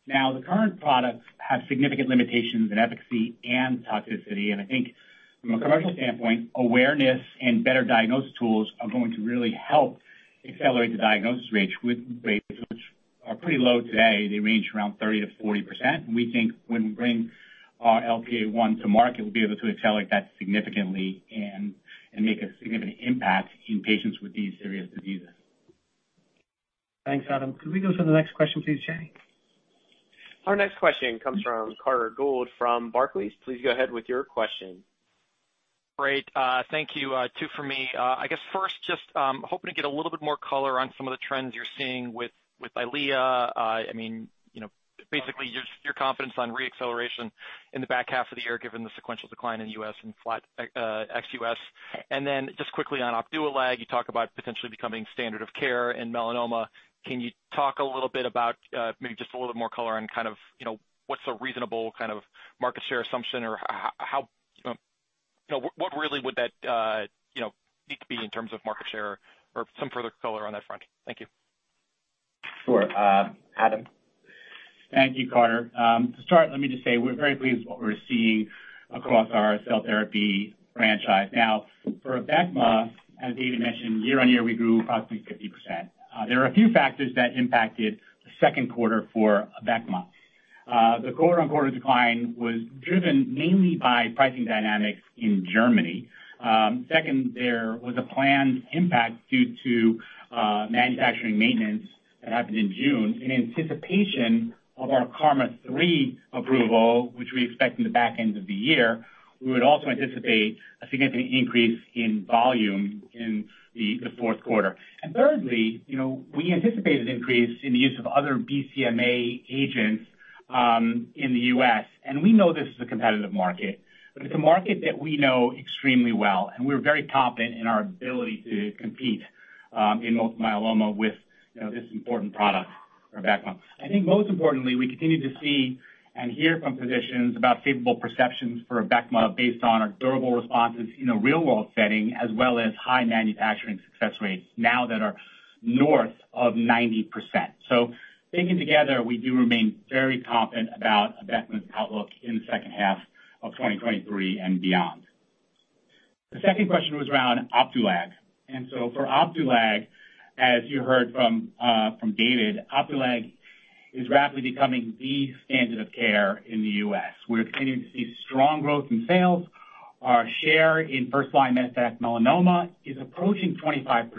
Now, the current products have significant limitations in efficacy and toxicity, and I think from a commercial standpoint, awareness and better diagnosis tools are going to really help accelerate the diagnosis rate with rates, which are pretty low today. They range around 30%-40%. We think when we bring our LPA1 to market, we'll be able to accelerate that significantly and make a significant impact in patients with these serious diseases. Thanks, Adam. Could we go to the next question please, Jamie? Our next question comes from Carter Gould from Barclays. Please go ahead with your question. Great. Thank you. Two for me. I guess first, just, hoping to get a little bit more color on some of the trends you're seeing with, with EYLEA. I mean, you know, basically your, your confidence on reacceleration in the back half of the year, given the sequential decline in US and flat, ex-US. Just quickly on Opdualag, you talk about potentially becoming standard of care in melanoma. Can you talk a little bit about, maybe just a little bit more color on kind of, you know, what's a reasonable kind of market share assumption or what really would that, you know, need to be in terms of market share or some further color on that front? Thank you. Sure. Adam? Thank you Carter. To start, let me just say we're very pleased with what we're seeing across our cell therapy franchise. Now, for Abecma, as David mentioned, year-on-year, we grew approximately 50%. There are a few factors that impacted the 2nd quarter for Abecma. The quarter-on-quarter decline was driven mainly by pricing dynamics in Germany. Second, there was a planned impact due to manufacturing maintenance that happened in June, in anticipation of our KarMMa-3 approval, which we expect in the back end of the year. We would also anticipate a significant increase in volume in the fourth quarter. Thirdly, you know, we anticipate an increase in the use of other BCMA agents in the US, and we know this is a competitive market, but it's a market that we know extremely well, and we're very confident in our ability to compete in multiple myeloma with, you know, this important product, Abecma. I think most importantly, we continue to see and hear from physicians about favorable perceptions for Abecma based on our durable responses in a real-world setting, as well as high manufacturing success rates now that are north of 90%. Taken together, we do remain very confident about Abecma's outlook in the second half of 2023 and beyond. The second question was around Opdualag, for Opdualag, as you heard from David, Opdualag is rapidly becoming the standard of care in the US. We're continuing to see strong growth in sales. Our share in first-line metastatic melanoma is approaching 25%,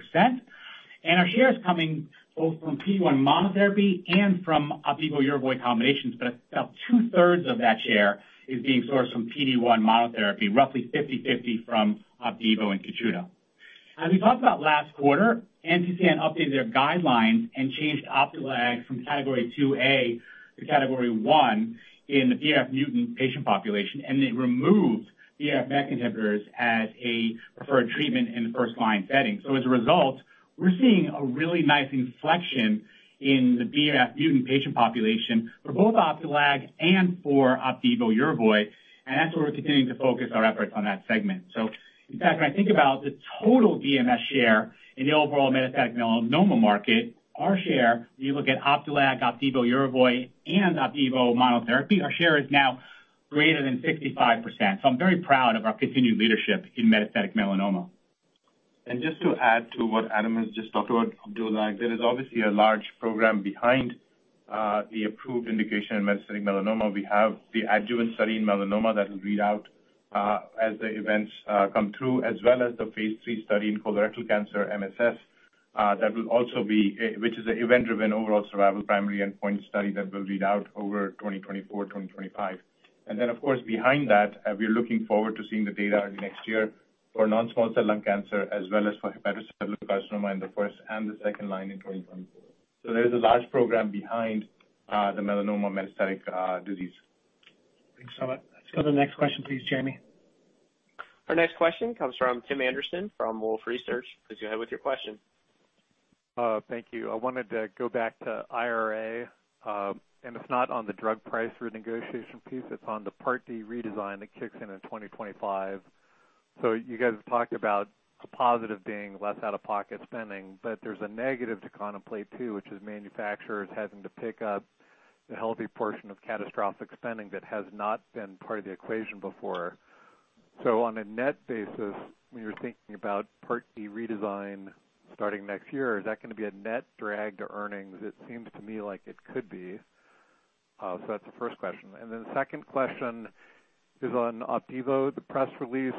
our share is coming both from PD-1 monotherapy and from Opdivo + Yervoy combinations, about two-thirds of that share is being sourced from PD-1 monotherapy, roughly 50/50 from Opdivo and Keytruda. As we talked about last quarter, NCCN updated their guidelines and changed Opdualag from Category 2A to Category 1 in the BRAF mutant patient population, it removed BRAF/MEK inhibitors as a preferred treatment in the first-line setting. As a result, we're seeing a really nice inflection in the BRAF mutant patient population for both Opdualag and for Opdivo + Yervoy, that's where we're continuing to focus our efforts on that segment. In fact, when I think about the total BMS share in the overall metastatic melanoma market, our share, when you look at Opdualag, Opdivo Yervoy, and Opdivo monotherapy, our share is now greater than 65%. I'm very proud of our continued leadership in metastatic melanoma. Just to add to what Adam has just talked about, Opdualag, there is obviously a large program behind the approved indication in metastatic melanoma. We have the adjuvant study in melanoma that will read out as the events come through, as well as the Phase III study in colorectal cancer, MSS, that will also be, which is an event-driven overall survival primary endpoint study that will read out over 2024, 2025. Then, of course, behind that, we're looking forward to seeing the data next year for non-small cell lung cancer, as well as for hepatocellular carcinoma in the first and the second line in 2024. There is a large program behind the melanoma metastatic disease. Thanks so much. Let's go to the next question, please, Jamie. Our next question comes from Tim Anderson from Wolfe Research. Please go ahead with your question. Thank you. I wanted to go back to IRA, and it's not on the drug price renegotiation piece, it's on the Part D redesign that kicks in in 2025. You guys have talked about a positive being less out-of-pocket spending, but there's a negative to contemplate, too, which is manufacturers having to pick up a healthy portion of catastrophic spending that has not been part of the equation before. On a net basis, when you're thinking about Part D redesign starting next year, is that gonna be a net drag to earnings? It seems to me like it could be. That's the first question. Then the second question is on Opdivo. The press release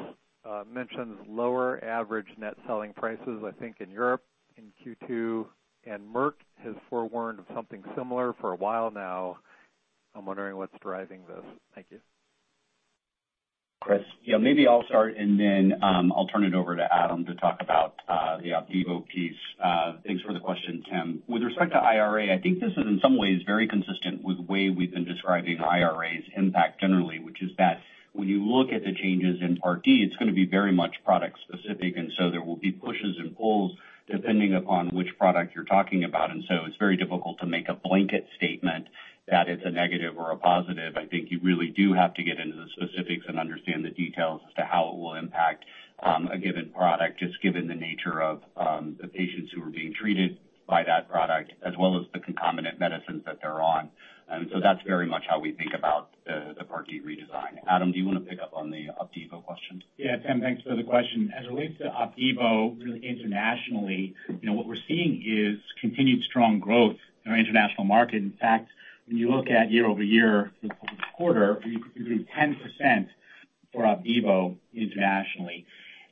mentions lower average net selling prices, I think, in Europe, in Q2, and Merck has forewarned of something similar for a while now. I'm wondering what's driving this. Thank you. Chris? Yeah, maybe I'll start, and then, I'll turn it over to Adam to talk about the Opdivo piece. Thanks for the question, Tim. With respect to IRA, I think this is in some ways very consistent with the way we've been describing IRA's impact generally, which is that when you look at the changes in Part D, it's gonna be very much product specific, and so there will be pushes and pulls, depending upon which product you're talking about. So it's very difficult to make a blanket statement that it's a negative or a positive. I think you really do have to get into the specifics and understand the details as to how it will impact a given product, just given the nature of the patients who are being treated by that product, as well as the concomitant medicines that they're on. That's very much how we think about the Part D redesign. Adam, do you wanna pick up on the Opdivo question? Yeah, Tim thanks for the question. As it relates to Opdivo, really internationally, you know, what we're seeing is continued strong growth in our international market. In fact, when you look at year-over-year this quarter, you do 10% for Opdivo internationally,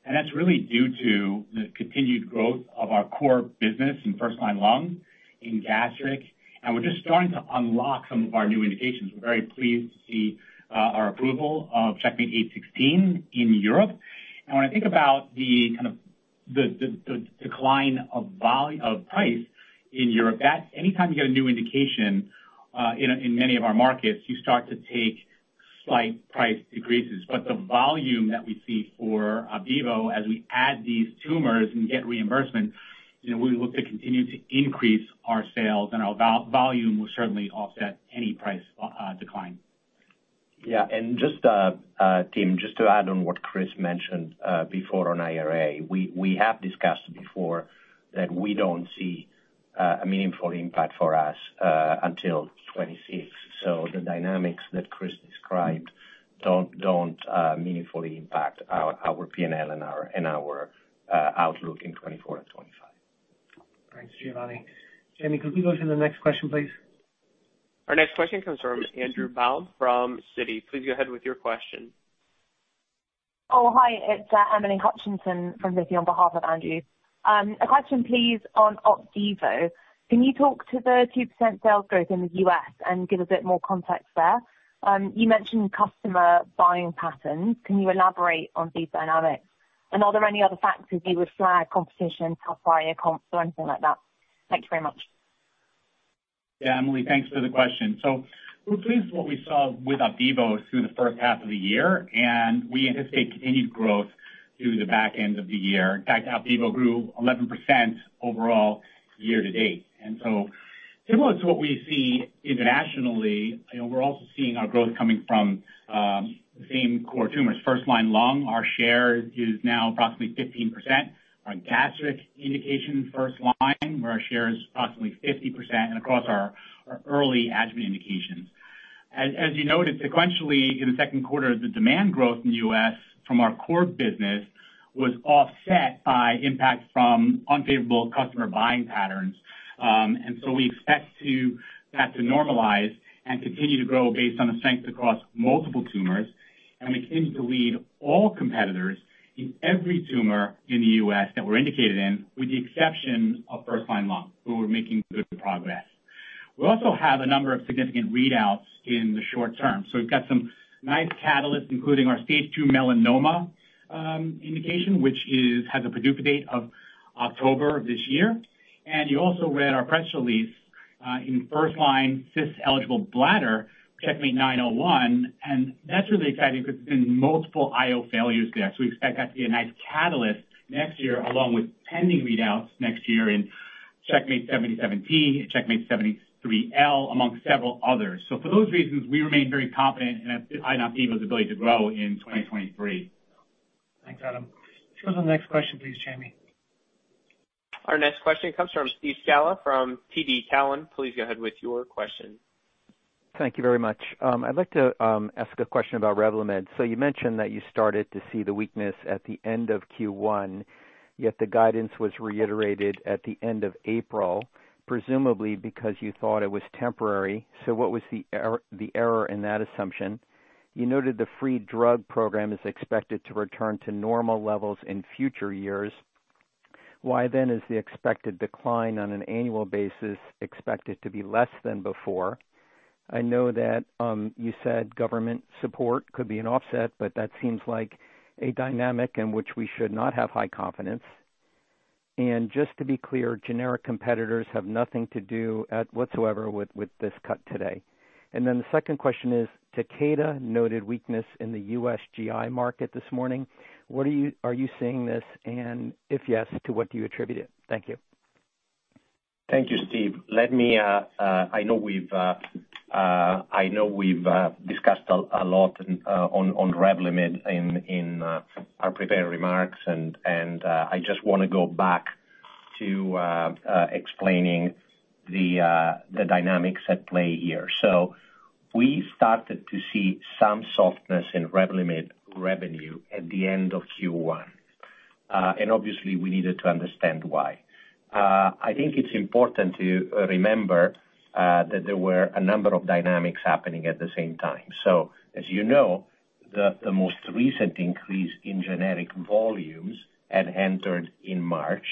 and that's really due to the continued growth of our core business in first-line lung, in gastric, and we're just starting to unlock some of our new indications. We're very pleased to see our approval of CheckMate-816 in Europe. When I think about the kind of the decline of price in Europe, that's anytime you get a new indication in many of our markets, you start to take slight price decreases. The volume that we see for Opdivo as we add these tumors and get reimbursement, you know, we look to continue to increase our sales and our volume will certainly offset any price decline. Just Tim, just to add on what Chris mentioned before on IRA, we have discussed before that we don't see a meaningful impact for us until 2026. The dynamics that Chris described don't meaningfully impact our PNL and our outlook in 2024 and 2025. Thanks Giovanni. Jamie, could we go to the next question, please? Our next question comes from Andrew Baum from Citi. Please go ahead with your question. Hi, it's Emily Hutchinson from Citi on behalf of Andrew. A question please on Opdivo. Can you talk to the 2% sales growth in the US and give a bit more context there? You mentioned customer buying patterns. Can you elaborate on these dynamics? Are there any other factors you would flag, competition, price comp, or anything like that? Thank you very much. Yeah, Emily, thanks for the question. We're pleased with what we saw with Opdivo through the first half of the year, and we anticipate continued growth through the back end of the year. In fact, Opdivo grew 11% overall year-to-date. Similar to what we see internationally, you know, we're also seeing our growth coming from the same core tumors. First-line lung, our share is now approximately 15%. Our gastric indication, first-line, where our share is approximately 50%, and across our, our early adjuvant indications. As you noted, sequentially, in the 2nd quarter, the demand growth in the US from our core business was offset by impact from unfavorable customer buying patterns. We expect that to normalize and continue to grow based on the strength across multiple tumors. We continue to lead all competitors in every tumor in the U.S. that we're indicated in, with the exception of first-line lung, where we're making good progress. We also have a number of significant readouts in the short term. We've got some nice catalysts, including our Stage 2 melanoma indication, which is, has a PDUFA date of October of this year. You also read our press release in first-line CIS eligible bladder cancer, CheckMate-901, and that's really exciting because there's been multiple IO failures there. We expect that to be a nice catalyst next year, along with pending readouts next year in CheckMate-77T and CheckMate-73L, among several others. For those reasons, we remain very confident in Opdivo's ability to grow in 2023. Thanks, Adam. Go to the next question, please, Jamie. Our next question comes from Steve Scala from TD Cowen. Please go ahead with your question. Thank you very much. I'd like to ask a question about Revlimid. You mentioned that you started to see the weakness at the end of Q1, yet the guidance was reiterated at the end of April, presumably because you thought it was temporary. What was the error in that assumption? You noted the free drug program is expected to return to normal levels in future years. Why then is the expected decline on an annual basis expected to be less than before? I know that you said government support could be an offset, but that seems like a dynamic in which we should not have high confidence. Just to be clear, generic competitors have nothing to do at whatsoever with this cut today. The second question is, Takeda noted weakness in the U.S. GI market this morning. What are you seeing this? If yes, to what do you attribute it? Thank you. Thank you, Steve. Let me, I know we've discussed a lot on Revlimid in our prepared remarks, and I just want to go back to explaining the dynamics at play here. We started to see some softness in Revlimid revenue at the end of Q1, and obviously we needed to understand why. I think it's important to remember that there were a number of dynamics happening at the same time. As you know, the most recent increase in generic volumes had entered in March,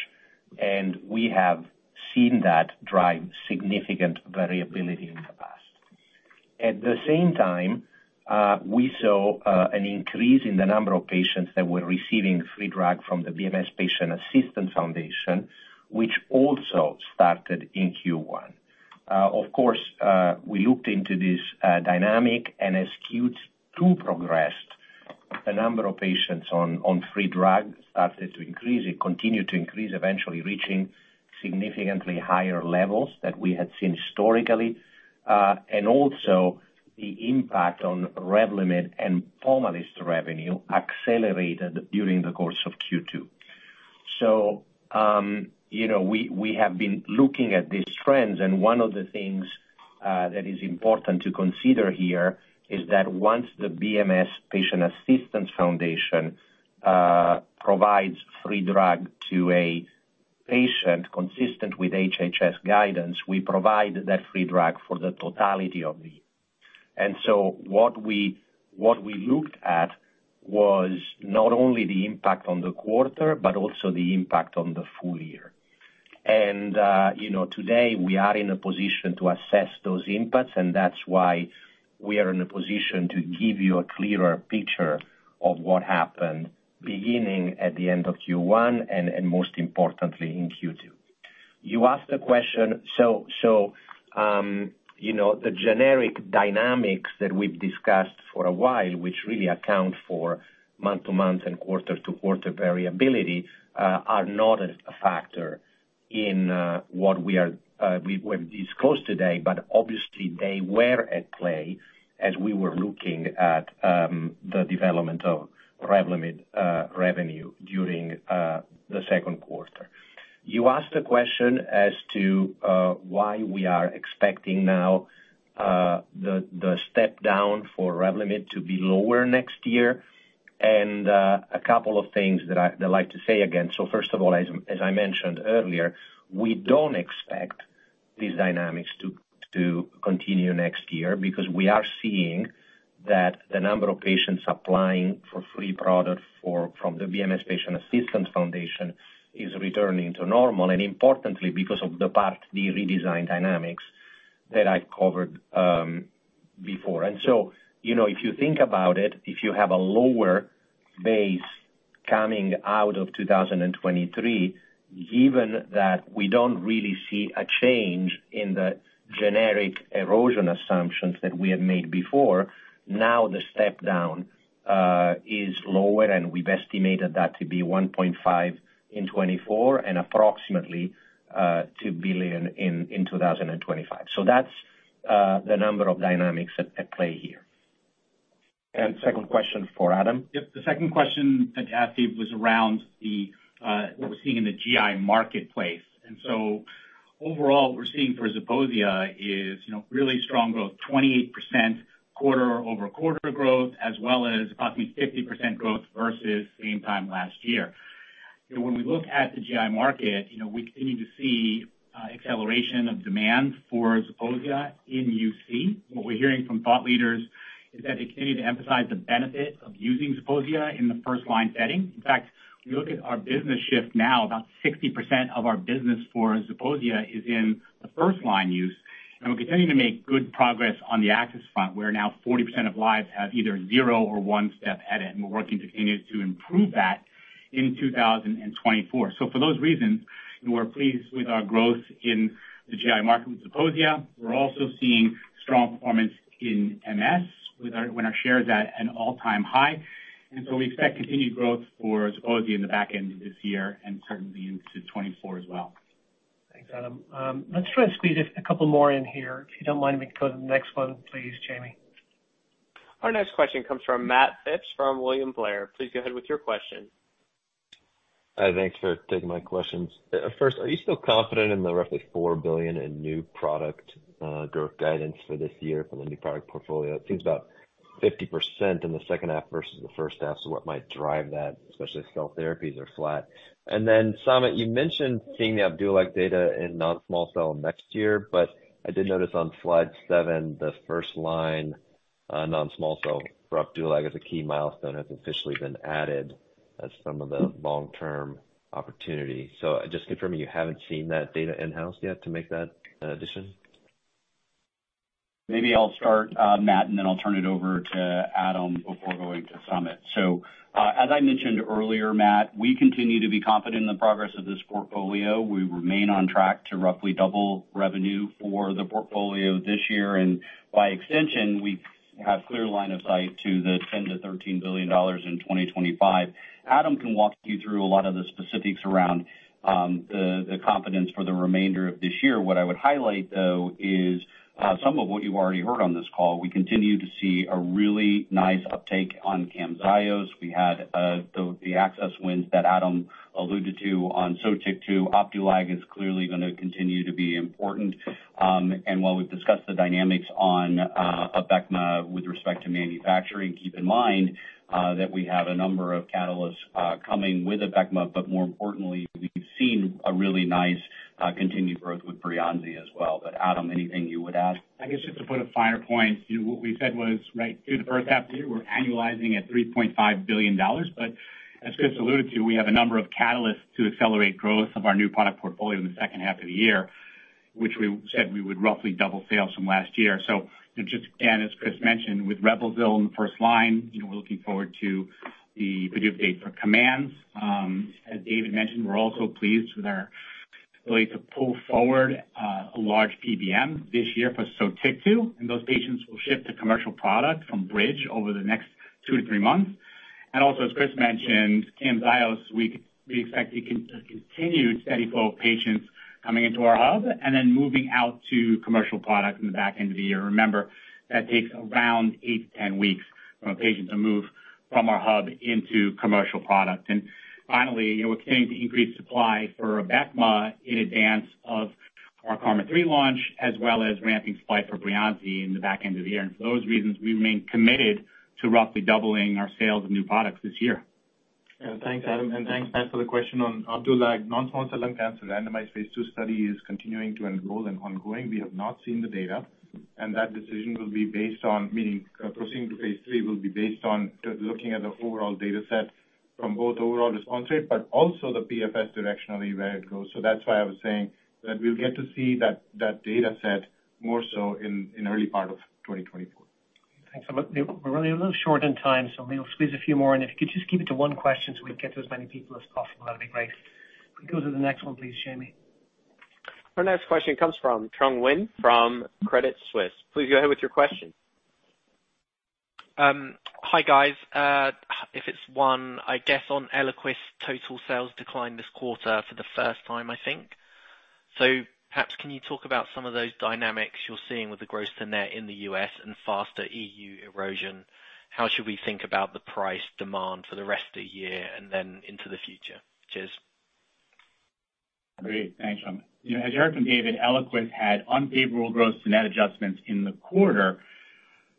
and we have seen that drive significant variability in the past. At the same time, we saw an increase in the number of patients that were receiving free drug from the BMS Patient Assistance Foundation, which also started in Q1. Of course, we looked into this dynamic, and as Q2 progressed, the number of patients on free drug started to increase. It continued to increase, eventually reaching significantly higher levels than we had seen historically. Also the impact on Revlimid and Pomalyst revenue accelerated during the course of Q2. You know, we have been looking at these trends, and one of the things that is important to consider here is that once the BMS Patient Assistance Foundation provides free drug to a patient consistent with HHS guidance, we provide that free drug for the totality of the year. What we looked at was not only the impact on the quarter, but also the impact on the full year. You know, today, we are in a position to assess those impacts, and that's why we are in a position to give you a clearer picture of what happened beginning at the end of Q1, and most importantly, in Q2. You asked a question. You know, the generic dynamics that we've discussed for a while, which really account for month-to-month and quarter-to-quarter variability, are not a factor in what we are, we disclosed today, but obviously they were at play as we were looking at the development of Revlimid revenue during the 2nd quarter. You asked a question as to why we are expecting now the step down for Revlimid to be lower next year. A couple of things that I'd like to say again. First of all, as I mentioned earlier, we don't expect these dynamics to continue next year because we are seeing that the number of patients applying for free product from the Bristol Myers Squibb Patient Assistance Foundation is returning to normal, and importantly, because of the Part D redesign dynamics that I covered before. You know, if you think about it, if you have a lower base coming out of 2023, given that we don't really see a change in the generic erosion assumptions that we had made before, now the step down is lower, and we've estimated that to be $1.5 billion in 2024, and approximately $2 billion in 2025. That's the number of dynamics at play here. Second question for Adam? Yep. The second question that you asked, Steve, was around the what we're seeing in the GI marketplace. Overall, what we're seeing for Zeposia is, you know, really strong growth, 28% quarter-over-quarter growth, as well as approximately 50% growth versus same time last year. You know, when we look at the GI market, you know, we continue to see acceleration of demand for Zeposia in UC. What we're hearing from thought leaders is that they continue to emphasize the benefit of using Zeposia in the first-line setting. In fact, if you look at our business shift now, about 60% of our business for Zeposia is in the first line use. We're continuing to make good progress on the access front, where now 40% of lives have either 0 or 1 step edit, and we're working to continue to improve that in 2024. For those reasons, we're pleased with our growth in the GI market with Zeposia. We're also seeing strong performance in MS, with our shares at an all-time high. We expect continued growth for Zeposia in the back end of this year and certainly into 2024 as well. Thanks, Adam. Let's try to squeeze a couple more in here. If you don't mind, we can go to the next one, please, Jamie. Our next question comes from Matt Phipps from William Blair. Please go ahead with your question. Hi, thanks for taking my questions. First, are you still confident in the roughly $4 billion in new product growth guidance for this year for the new product portfolio? It seems about 50% in the second half versus the first half, what might drive that, especially if cell therapies are flat? Samit, you mentioned seeing the Opdualag data in non-small cell next year, but I did notice on slide 7, the first line non-small cell for Opdualag as a key milestone, has officially been added as some of the long-term opportunity. Just confirming, you haven't seen that data in-house yet to make that addition? Maybe I'll start, Matt, and then I'll turn it over to Adam before going to Samit. As I mentioned earlier, Matt, we continue to be confident in the progress of this portfolio. We remain on track to roughly double revenue for the portfolio this year, and by extension, we have clear line of sight to the $10 billion-$13 billion in 2025. Adam can walk you through a lot of the specifics around the confidence for the remainder of this year. What I would highlight, though, is some of what you've already heard on this call, we continue to see a really nice uptake on Camzyos. We had the access wins that Adam alluded to on Sotyktu. Opdualag is clearly gonna continue to be important. While we've discussed the dynamics on Abecma with respect to manufacturing, keep in mind that we have a number of catalysts coming with Abecma, more importantly, we've seen a really nice continued growth with Breyanzi as well. Adam, anything you would add? I guess just to put a finer point, you know, what we said was, right through the first half of the year, we're annualizing at $3.5 billion, but as Chris alluded to, we have a number of catalysts to accelerate growth of our new product portfolio in the second half of the year, which we said we would roughly double sales from last year. You know, just again, as Chris mentioned, with Reblozyl in the first line, you know, we're looking forward to the video update for COMMANDS. As David mentioned, we're also pleased with our ability to pull forward, a large PBM this year for Sotyktu, and those patients will ship to commercial product from Bridge over the next 2-3 months. Also, as Chris mentioned, Camzyos, we expect to continue steady flow of patients coming into our hub, and then moving out to commercial product in the back end of the year. Remember, that takes around 8 to 10 weeks from a patient to move from our hub into commercial product. Finally, you know, we're continuing to increase supply for Abecma in advance of our KarMMa-3 launch, as well as ramping supply for Breyanzi in the back end of the year. For those reasons, we remain committed to roughly doubling our sales of new products this year. Thanks Adam, and thanks Matt, for the question on Opdualag. Non-small cell lung cancer randomized Phase II study is continuing to enroll and ongoing. That decision will be based on, meaning proceeding to Phase III, will be based on looking at the overall data set from both overall response rate, but also the PFS directionally, where it goes. That's why I was saying that we'll get to see that data set more so in early part of 2024. Thanks so much. We're running a little short on time, we'll squeeze a few more in. If you could just keep it to one question, we can get to as many people as possible, that'd be great. Could we go to the next one, please, Jamie? Our next question comes from Trung Huynh from Credit Suisse. Please go ahead with your question. Hi, guys. If it's one, I guess on Eliquis, total sales declined this quarter for the first time, I think. Perhaps can you talk about some of those dynamics you're seeing with the gross-to-net in the US and faster EU erosion? How should we think about the price demand for the rest of the year and then into the future? Cheers. Great, thanks Trung. You know, as Eric and David, Eliquis had unfavorable gross-to-net adjustments in the quarter.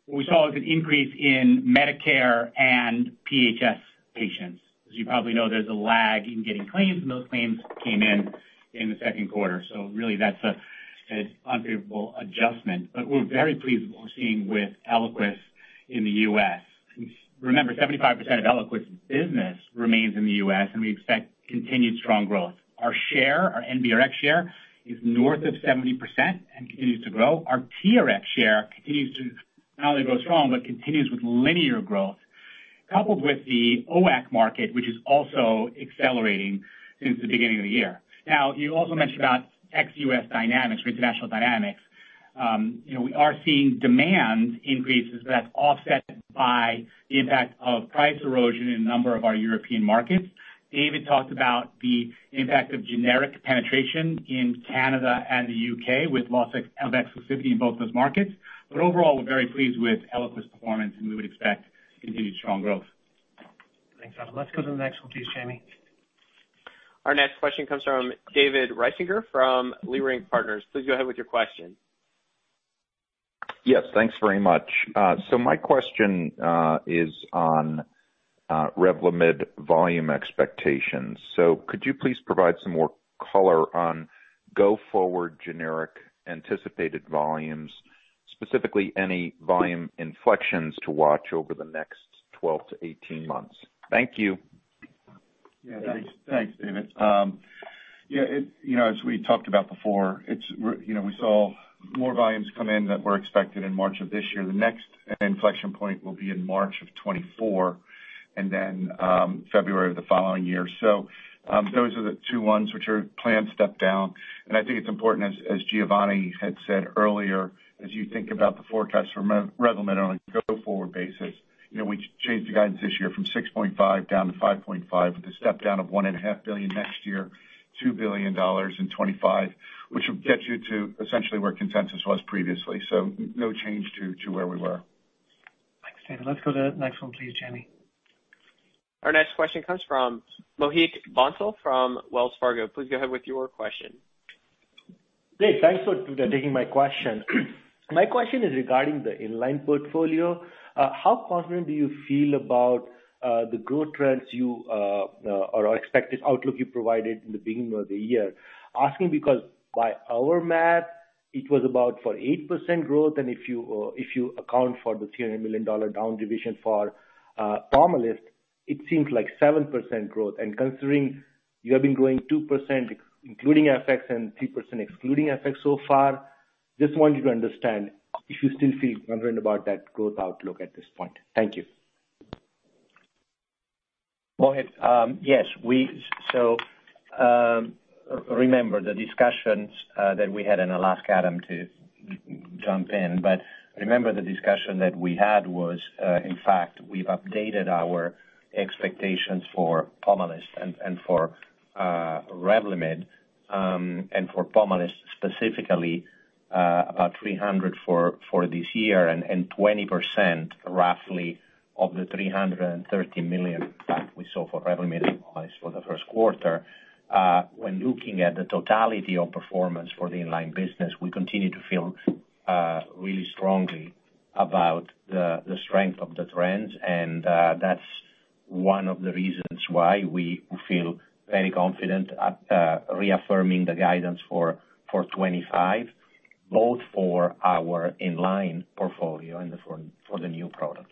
What we saw was an increase in Medicare and PHS patients. As you probably know, there's a lag in getting claims, and those claims came in, in the 2nd quarter. Really, that's an unfavorable adjustment. We're very pleased with what we're seeing with Eliquis in the US. Remember, 75% of Eliquis business remains in the US, and we expect continued strong growth. Our share, our NBRX share, is north of 70% and continues to grow. Our TRX share continues to not only grow strong, but continues with linear growth, coupled with the OAS market, which is also accelerating since the beginning of the year. You also mentioned about ex-US dynamics or international dynamics. You know, we are seeing demand increases that's offset by the impact of price erosion in a number of our European markets. David talked about the impact of generic penetration in Canada and the UK, with loss of exclusivity in both those markets. Overall, we're very pleased with Eliquis' performance, and we would expect continued strong growth. Thanks, Adam. Let's go to the next one, please, Jamie. Our next question comes from David Risinger from Leerink Partners. Please go ahead with your question. Yes, thanks very much. My question, is on, Revlimid volume expectations. Could you please provide some more color on go-forward generic anticipated volumes, specifically any volume inflections to watch over the next 12 to 18 months? Thank you. Yeah. Thanks. Thanks David. yeah, you know, as we talked about before, you know, we saw more volumes come in than were expected in March of this year. The next inflection point will be in March of 2024, and then February of the following year. Those are the two ones which are planned step down. I think it's important, as, as Giovanni had said earlier, as you think about the forecast for Revlimid on a go-forward basis, you know, we changed the guidance this year from $6.5 down to $5.5, with a step down of $1.5 billion next year, $2 billion in 2025, which will get you to essentially where consensus was previously. No change to, to where we were. Thanks, David. Let's go to the next one, please, Jamie. Our next question comes from Mohit Bansal from Wells Fargo. Please go ahead with your question. Great, thanks for taking my question. My question is regarding the in-line portfolio. How confident do you feel about the growth trends or expected outlook you provided in the beginning of the year? Asking because by our math, it was about for 8% growth, and if you account for the $300 million down revision for Pomalyst, it seems like 7% growth. Considering you have been growing 2%, including FX, and 3% excluding FX so far, just want you to understand if you still feel confident about that growth outlook at this point. Thank you. Mohit, yes, remember the discussions that we had, and I'll ask Adam to jump in, remember, the discussion that we had was, in fact, we've updated our expectations for Pomalyst and for Revlimid, and for Pomalyst, specifically, about $300 for this year and 20% roughly of the $330 million that we saw for Revlimid twice for the 1st quarter. When looking at the totality of performance for the in-line business, we continue to feel really strongly about the strength of the trends, that's one of the reasons why we feel very confident at reaffirming the guidance for 2025, both for our in-line portfolio and for the new products.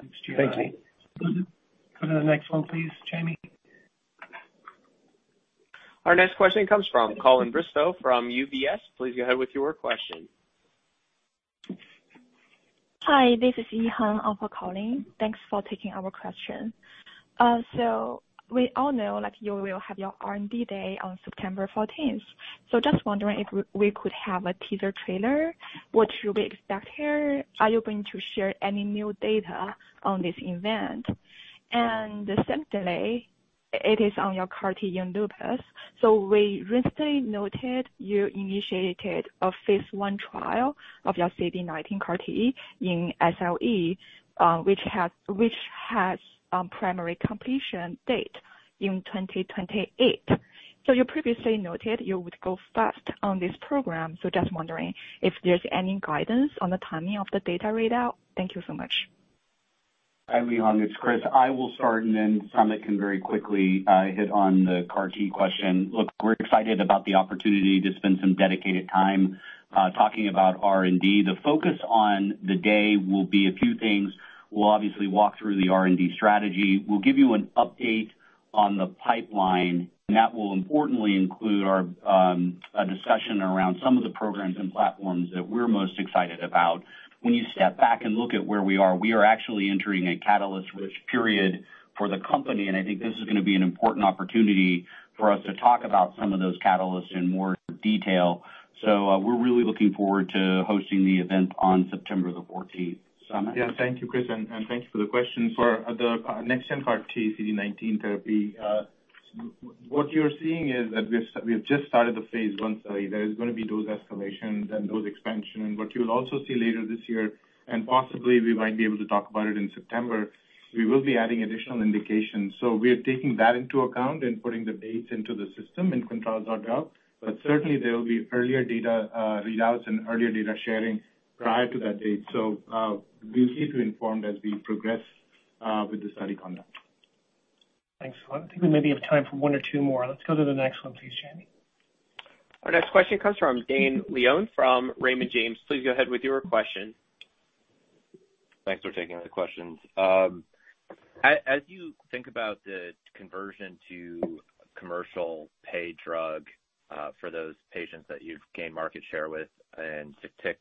Thanks, Giovanni. Go to the next one, please, Jamie. Our next question comes from Colin Bristow from UBS. Please go ahead with your question. Hi, this is Yihan, on for Colin. Thanks for taking our question. We all know that you will have your R&D day on September 14th. Just wondering if we could have a teaser trailer, what should we expect here? Are you going to share any new data on this event? Secondly, it is on your CAR-T in lupus. We recently noted you initiated a Phase I trial of your CD19 CAR-T in SLE, which has primary completion date in 2028. You previously noted you would go fast on this program, just wondering if there's any guidance on the timing of the data readout. Thank you so much. Hi Yihan, it's Chris. I will start and then Samit can very quickly hit on the CAR-T question. Look, we're excited about the opportunity to spend some dedicated time talking about R&D. The focus on the day will be a few things. We'll obviously walk through the R&D strategy. We'll give you an update on the pipeline, and that will importantly include our a discussion around some of the programs and platforms that we're most excited about. When you step back and look at where we are, we are actually entering a catalyst-rich period for the company, and I think this is gonna be an important opportunity for us to talk about some of those catalysts in more detail. We're really looking forward to hosting the event on September 14th. Samit? Yeah, thank you Chris, and thank you for the question. For the next gen CAR-T CD19 therapy. What you're seeing is that we have just started the Phase I study. There is gonna be dose escalations and dose expansion. What you'll also see later this year, and possibly we might be able to talk about it in September, we will be adding additional indications. We are taking that into account and putting the dates into the system in ClinicalTrials.gov. Certainly, there will be earlier data readouts and earlier data sharing prior to that date. We'll keep you informed as we progress with the study conduct. Thanks. I think we maybe have time for 1 or 2 more. Let's go to the next one, please, Jamie. Our next question comes from Dane Leone from Raymond James. Please go ahead with your question. Thanks for taking the questions. As you think about the conversion to commercial pay drug for those patients that you've gained market share with and to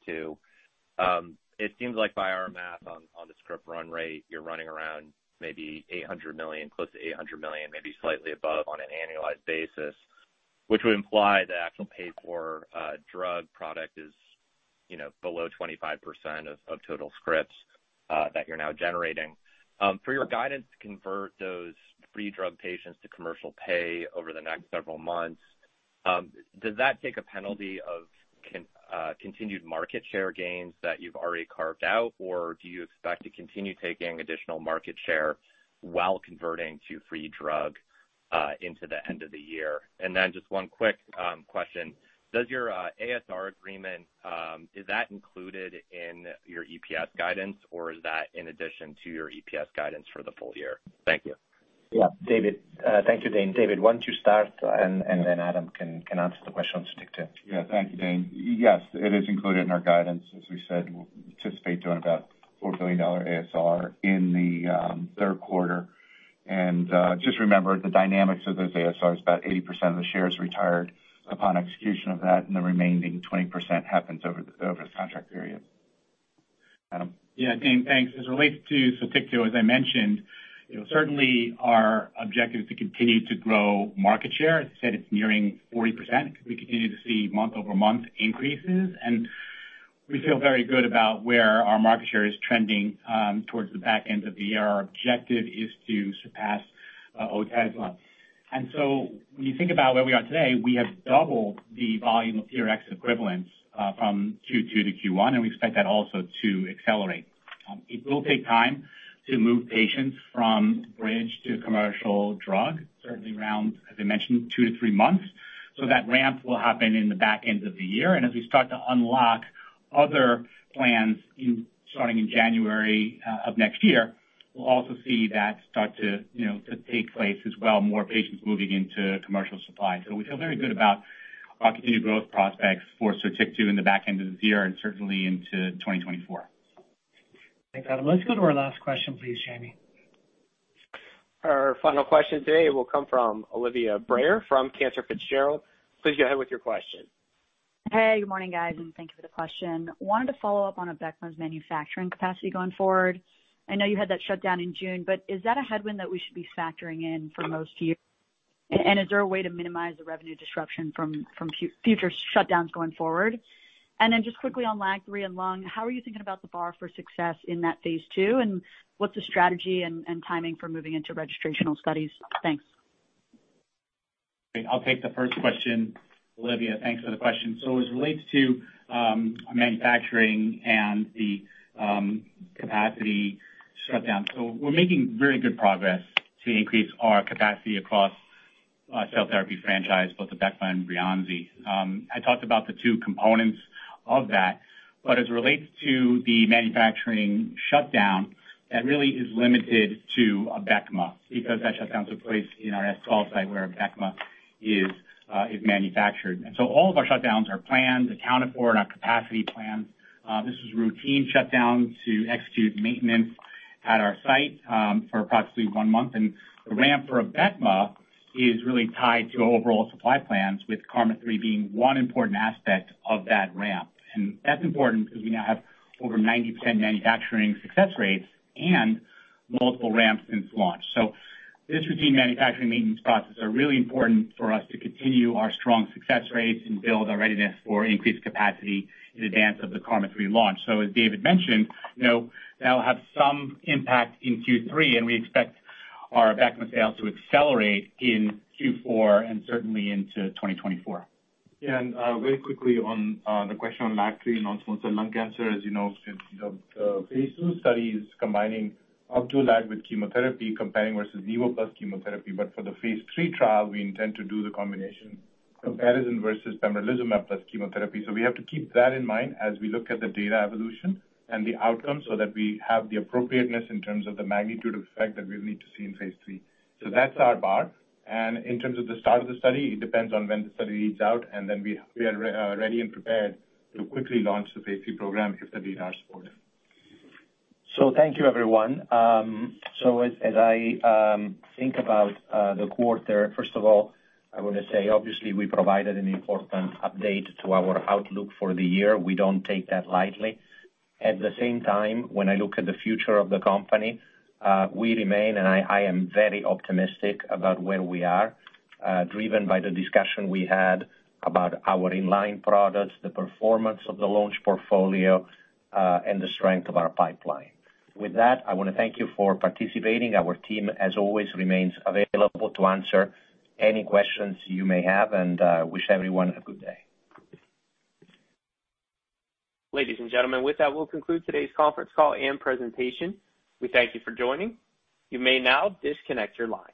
Sotyktu, it seems like by our math on the script run rate, you're running around maybe $800 million, close to $800 million, maybe slightly above on an annualized basis, which would imply the actual paid for drug product is, you know, below 25% of total scripts that you're now generating. For your guidance to convert those free drug patients to commercial pay over the next several months, does that take a penalty of continued market share gains that you've already carved out? Or do you expect to continue taking additional market share while converting to free drug into the end of the year? Just one quick question. Does your ASR agreement, is that included in your EPS guidance, or is that in addition to your EPS guidance for the full year? Thank you. Yeah, David. Thank you, Dane. David, why don't you start, and then Adam can answer the question on Sotyktu. Yeah. Thank you, Dane. Yes, it is included in our guidance. As we said, we anticipate doing about $4 billion ASR in the 2rd quarter. Just remember, the dynamics of those ASR is about 80% of the shares retired upon execution of that, and the remaining 20% happens over the contract period. Adam? Yeah, Dane thanks. As it relates to Sotyktu, as I mentioned, you know, certainly our objective is to continue to grow market share. As I said, it's nearing 40%. We continue to see month-over-month increases, we feel very good about where our market share is trending towards the back end of the year. Our objective is to surpass Otezla. When you think about where we are today, we have doubled the volume of TRx equivalents from Q2 to Q1, and we expect that also to accelerate. It will take time to move patients from bridge to commercial drug, certainly around, as I mentioned, 2 to 3 months. That ramp will happen in the back end of the year. As we start to unlock other plans in, starting in January, of next year, we'll also see that start to, you know, to take place as well, more patients moving into commercial supply. We feel very good about our continued growth prospects for Sotyktu in the back end of this year and certainly into 2024. Thanks, Adam. Let's go to our last question please, Jamie. Our final question today will come from Olivia Brayer from Cantor Fitzgerald. Please go ahead with your question. Hey, good morning, guys, thank you for the question. Wanted to follow up on Abecma's manufacturing capacity going forward. I know you had that shutdown in June, is that a headwind that we should be factoring in for most years? Is there a way to minimize the revenue disruption from future shutdowns going forward? Just quickly on LAG-3 and lung, how are you thinking about the bar for success in that Phase II, and what's the strategy and timing for moving into registrational studies? Thanks. I'll take the first question. Olivia, thanks for the question. As it relates to manufacturing and the capacity shutdown, so we're making very good progress to increase our capacity across our cell therapy franchise, both Abecma and Breyanzi. I talked about the two components of that, but as it relates to the manufacturing shutdown, that really is limited to Abecma because that shutdown took place in our Devens site where Abecma is manufactured. All of our shutdowns are planned, accounted for in our capacity plans. This was a routine shutdown to execute maintenance at our site for approximately 1 month. The ramp for Abecma is really tied to overall supply plans, with KarMMa-3 being one important aspect of that ramp. That's important because we now have over 90% manufacturing success rates and multiple ramps since launch. This routine manufacturing maintenance processes are really important for us to continue our strong success rates and build our readiness for increased capacity in advance of the KarMMa-3 launch. As David mentioned, you know, that'll have some impact in Q3, and we expect our Abecma sales to accelerate in Q4 and certainly into 2024. Very quickly on the question on LAG-3 non-small cell lung cancer. As you know, the Phase II study is combining up to LAG with chemotherapy, comparing versus nivo plus chemotherapy. For the Phase III trial, we intend to do the combination of Edison versus pembrolizumab plus chemotherapy. We have to keep that in mind as we look at the data evolution and the outcomes so that we have the appropriateness in terms of the magnitude of effect that we'll need to see in Phase III. That's our bar. In terms of the start of the study, it depends on when the study reads out, then we are ready and prepared to quickly launch the Phase III program if the data are supportive. Thank you, everyone. As I think about the quarter, first of all, I want to say obviously we provided an important update to our outlook for the year. We don't take that lightly. At the same time, when I look at the future of the company, we remain, and I am very optimistic about where we are, driven by the discussion we had about our in-line products, the performance of the launch portfolio, and the strength of our pipeline. With that, I want to thank you for participating. Our team, as always, remains available to answer any questions you may have. Wish everyone a good day. Ladies and gentlemen, with that, we'll conclude today's conference call and presentation. We thank you for joining. You may now disconnect your line.